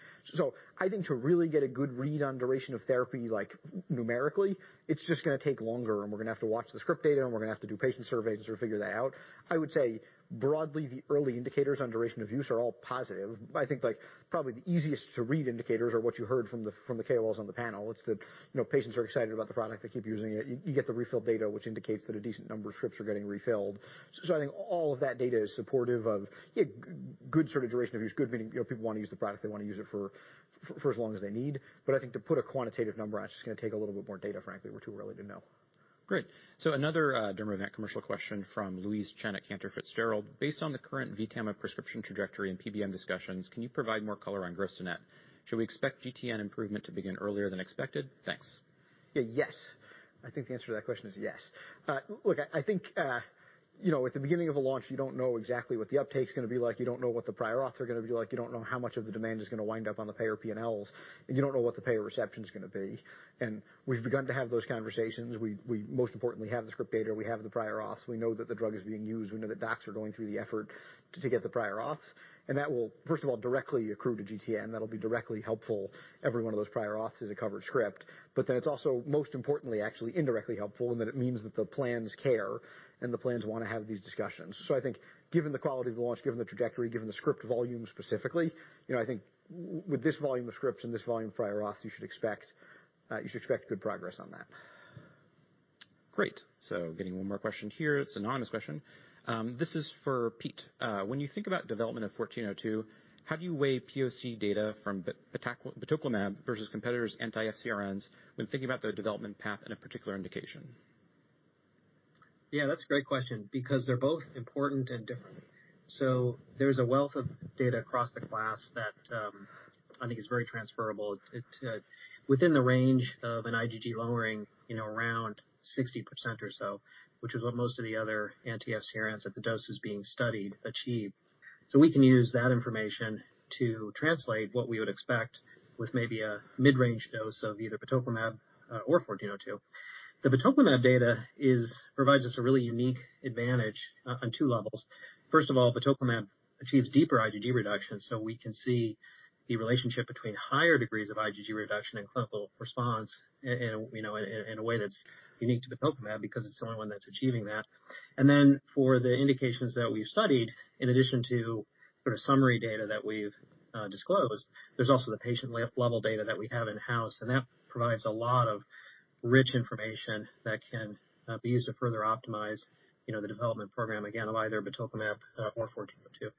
I think to really get a good read on duration of therapy, like numerically, it's just gonna take longer, and we're gonna have to watch the script data and we're gonna have to do patient surveys to figure that out. I would say, broadly, the early indicators on duration of use are all positive. I think, like, probably the easiest to read indicators are what you heard from the KOLs on the panel. It's that, you know, patients are excited about the product, they keep using it. You get the refill data, which indicates that a decent number of scripts are getting refilled. I think all of that data is supportive of, yeah, good sort of duration of use. Good morning, you know, people wanna use the product, they wanna use it for as long as they need. I think to put a quantitative number, it's just gonna take a little bit more data, frankly. We're too early to know. Great. Another, Dermavant commercial question from Louise Chen at Cantor Fitzgerald. Based on the current VTAMA prescription trajectory and PBM discussions, can you provide more color on gross-to-net? Should we expect GTN improvement to begin earlier than expected? Thanks. Yeah. Yes. I think the answer to that question is yes. Look, I think, you know, at the beginning of a launch, you don't know exactly what the uptake is gonna be like. You don't know what the prior auth are gonna be like. You don't know how much of the demand is gonna wind up on the payer P&Ls, and you don't know what the payer reception's gonna be. We've begun to have those conversations. We most importantly have the script data, we have the prior auth. We know that the drug is being used. We know that docs are going through the effort to get the prior auths. That will, first of all, directly accrue to GTN. That'll be directly helpful, every one of those prior auths is a covered script. It's also, most importantly, actually indirectly helpful in that it means that the plans care and the plans wanna have these discussions. I think given the quality of the launch, given the trajectory, given the script volume specifically, you know, I think with this volume of scripts and this volume of prior auths, you should expect good progress on that. Great. Getting one more question here. It's anonymous question. This is for Pete. When you think about development of 1402, how do you weigh POC data from batoclimab versus competitors anti-FcRns when thinking about their development path in a particular indication? Yeah, that's a great question, because they're both important and different. There's a wealth of data across the class that I think is very transferable. It within the range of an IgG lowering, you know, around 60% or so, which is what most of the other anti-FcRns at the doses being studied achieve. We can use that information to translate what we would expect with maybe a mid-range dose of either batoclimab or 1402. The batoclimab data provides us a really unique advantage on two levels. First of all, batoclimab achieves deeper IgG reduction, so we can see the relationship between higher degrees of IgG reduction and clinical response you know, in a way that's unique to batoclimab because it's the only one that's achieving that. For the indications that we've studied, in addition to the summary data that we've disclosed, there's also the patient level data that we have in-house, and that provides a lot of rich information that can be used to further optimize, you know, the development program, again, of either batoclimab or 1402.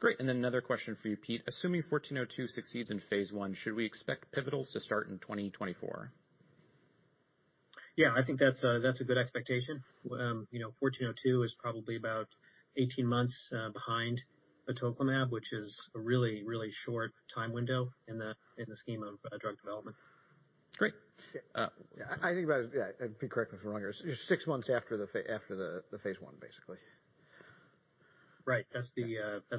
Great. Another question for you, Pete. Assuming 1402 succeeds in phase I, should we expect pivotal trials to start in 2024? Yeah, I think that's a good expectation. You know, IMVT-1402 is probably about 18 months behind batoclimab, which is a really short time window in the scheme of drug development. Great. I think about it, yeah, correct me if I'm wrong here. Six months after the phase I, basically. Right. That's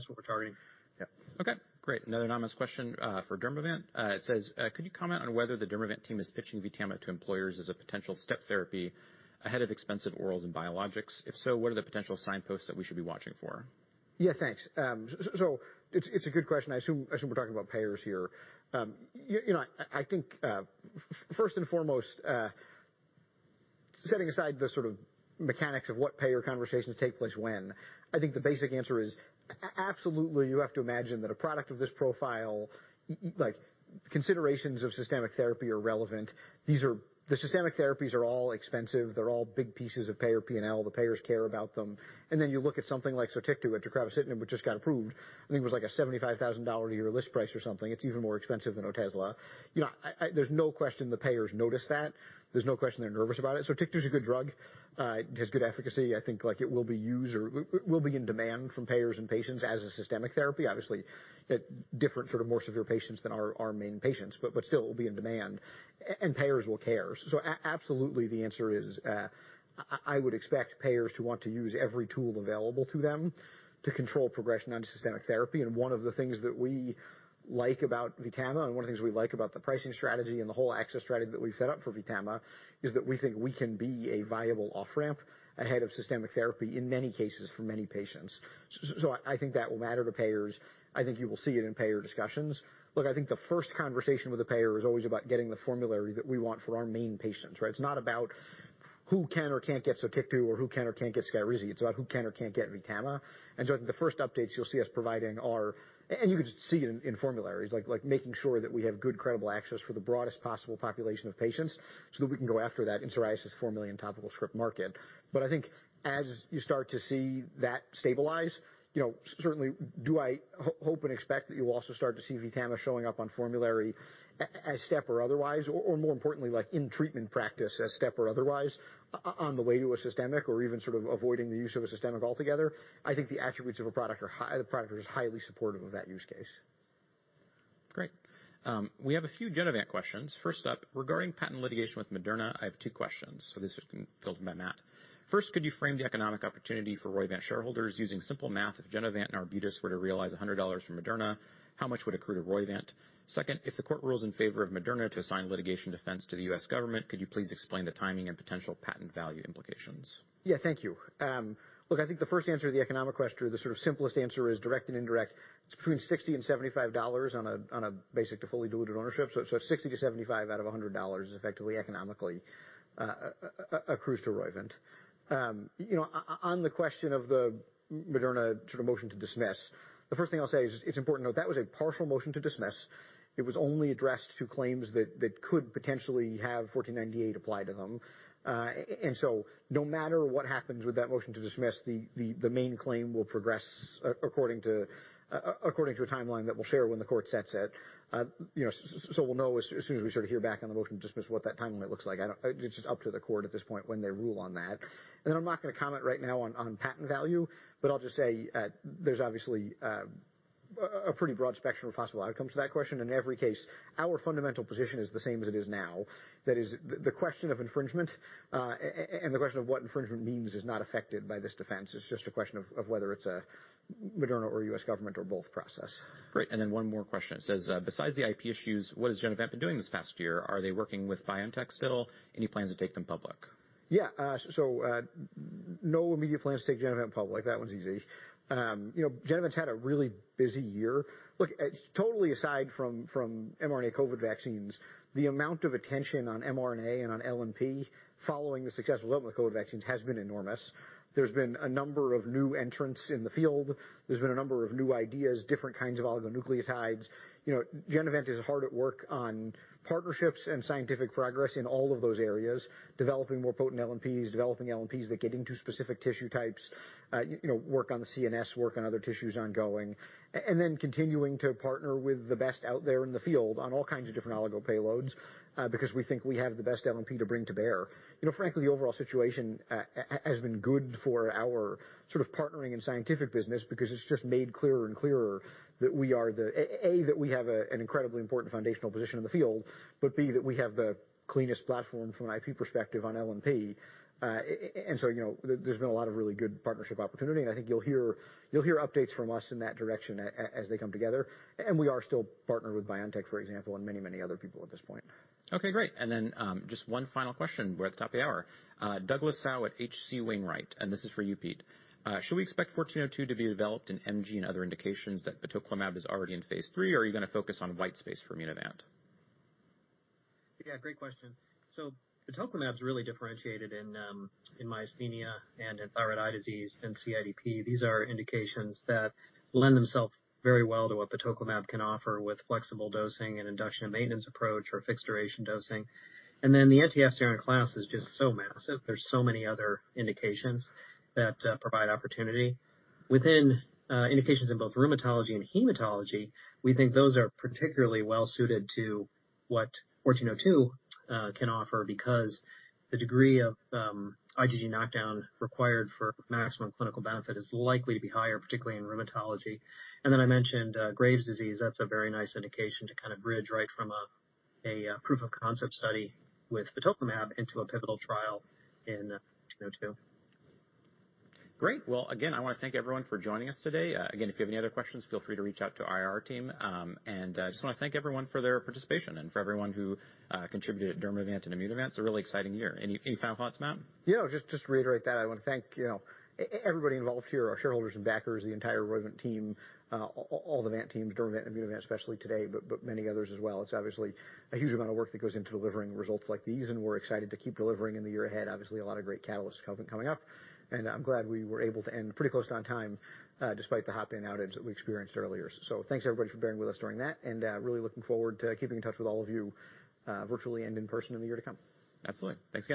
what we're targeting. Yeah. Okay, great. Another anonymous question for Dermavant. It says, could you comment on whether the Dermavant team is pitching VTAMA to employers as a potential step therapy ahead of expensive orals and biologics? If so, what are the potential signposts that we should be watching for? Yeah, thanks. So, it's a good question. I assume we're talking about payers here. You know, I think first and foremost, setting aside the sort of mechanics of what payer conversations take place when, I think the basic answer is absolutely you have to imagine that a product of this profile, like, considerations of systemic therapy are relevant. These are. The systemic therapies are all expensive. They're all big pieces of payer P&L. The payers care about them. You look at something like Sotyktu, which is deucravacitinib, which just got approved. I think it was like a $75,000 a year list price or something. It's even more expensive than Otezla. You know, there's no question the payers notice that. There's no question they're nervous about it. Sotyktu is a good drug. It has good efficacy. I think, like, it will be used or will be in demand from payers and patients as a systemic therapy. Obviously, different sort of more severe patients than our main patients, but still it will be in demand and payers will care. Absolutely, the answer is, I would expect payers to want to use every tool available to them to control progression on systemic therapy. One of the things that we like about VTAMA, and one of the things we like about the pricing strategy and the whole access strategy that we set up for VTAMA, is that we think we can be a viable off-ramp ahead of systemic therapy in many cases for many patients. I think that will matter to payers. I think you will see it in payer discussions. Look, I think the first conversation with the payer is always about getting the formulary that we want for our main patients, right? It's not about who can or can't get Sotyktu or who can or can't get Skyrizi. It's about who can or can't get VTAMA. And so I think the first updates you'll see us providing are, you can just see it in formularies, like making sure that we have good credible access for the broadest possible population of patients, so that we can go after that in psoriasis 4 million topical script market. I think as you start to see that stabilize, you know, certainly I hope and expect that you will also start to see VTAMA showing up on formulary as step or otherwise, or more importantly, like in treatment practice as step or otherwise on the way to a systemic or even sort of avoiding the use of a systemic altogether, I think the attributes of a product are high. The product is highly supportive of that use case. Great. We have a few Genevant questions. First up, regarding patent litigation with Moderna, I have two questions, so this can build by Matt. First, could you frame the economic opportunity for Roivant shareholders using simple math? If Genevant and Arbutus were to realize $100 from Moderna, how much would accrue to Roivant? Second, if the court rules in favor of Moderna to assign litigation defense to the U.S. government, could you please explain the timing and potential patent value implications? Yeah. Thank you. Look, I think the first answer to the economic question, the sort of simplest answer is direct and indirect. It's between$ 60 and $75 on a basic to fully diluted ownership. So 60-75 out of a $100 is effectively economically accrues to Roivant. You know, on the question of the Moderna sort of motion to dismiss, the first thing I'll say is it's important to note that was a partial motion to dismiss. It was only addressed to claims that could potentially have 1498 apply to them. No matter what happens with that motion to dismiss, the main claim will progress according to a timeline that we'll share when the court sets it. You know, so we'll know as soon as we sort of hear back on the motion to dismiss what that timeline looks like. I don't know. It's just up to the court at this point when they rule on that. I'm not gonna comment right now on patent value, but I'll just say, there's obviously a pretty broad spectrum of possible outcomes to that question. In every case, our fundamental position is the same as it is now. That is the question of infringement, and the question of what infringement means is not affected by this defense. It's just a question of whether it's a Moderna or U.S. government or both process. Great. One more question. It says, "Besides the IP issues, what has Genevant been doing this past year? Are they working with BioNTech still? Any plans to take them public? Yeah. So, no immediate plans to take Genevant public. That one's easy. You know, Genevant's had a really busy year. Look, totally aside from mRNA COVID vaccines, the amount of attention on mRNA and on LNP following the success of the COVID vaccines has been enormous. There's been a number of new entrants in the field. There's been a number of new ideas, different kinds of oligonucleotides. You know, Genevant is hard at work on partnerships and scientific progress in all of those areas, developing more potent LNPs, developing LNPs that get into specific tissue types, you know, work on the CNS, work on other tissues ongoing, and then continuing to partner with the best out there in the field on all kinds of different oligo payloads, because we think we have the best LNP to bring to bear. You know, frankly, the overall situation has been good for our sort of partnering and scientific business because it's just made clearer and clearer that we are the A, that we have a, an incredibly important foundational position in the field, but B, that we have the cleanest platform from an IP perspective on LNP. And so, you know, there's been a lot of really good partnership opportunity, and I think you'll hear updates from us in that direction as they come together. We are still partnered with BioNTech, for example, and many, many other people at this point. Okay. Great. Just one final question. We're at the top of the hour. Douglas Tsao at H.C. Wainwright, and this is for you, Pete. Should we expect 1402 to be developed in MG and other indications that batoclimab is already in phase three, or are you gonna focus on white space for Immunovant? Yeah, great question. Batoclimab's really differentiated in myasthenia and in thyroid eye disease and CIDP. These are indications that lend themselves very well to what batoclimab can offer with flexible dosing and induction and maintenance approach or fixed duration dosing. The anti-FcRn class is just so massive. There's so many other indications that provide opportunity. Within indications in both rheumatology and hematology, we think those are particularly well suited to what 1402 can offer because the degree of IgG knockdown required for maximum clinical benefit is likely to be higher, particularly in rheumatology. I mentioned Graves' disease. That's a very nice indication to kind of bridge right from a proof of concept study with batoclimab into a pivotal trial in 1402. Great. Well, again, I wanna thank everyone for joining us today. Again, if you have any other questions, feel free to reach out to our IR team. I just wanna thank everyone for their participation and for everyone who contributed at Dermavant and Immunovant. It's a really exciting year. Any final thoughts, Matt? Yeah, just to reiterate that. I wanna thank, you know, everybody involved here, our shareholders and backers, the entire Roivant team, all the Vant teams, Dermavant, Immunovant especially today, but many others as well. It's obviously a huge amount of work that goes into delivering results like these, and we're excited to keep delivering in the year ahead. Obviously, a lot of great catalysts coming up, and I'm glad we were able to end pretty close on time, despite the Hopin outage that we experienced earlier. Thanks, everybody, for bearing with us during that and really looking forward to keeping in touch with all of you, virtually and in person in the year to come. Absolutely. Thanks again.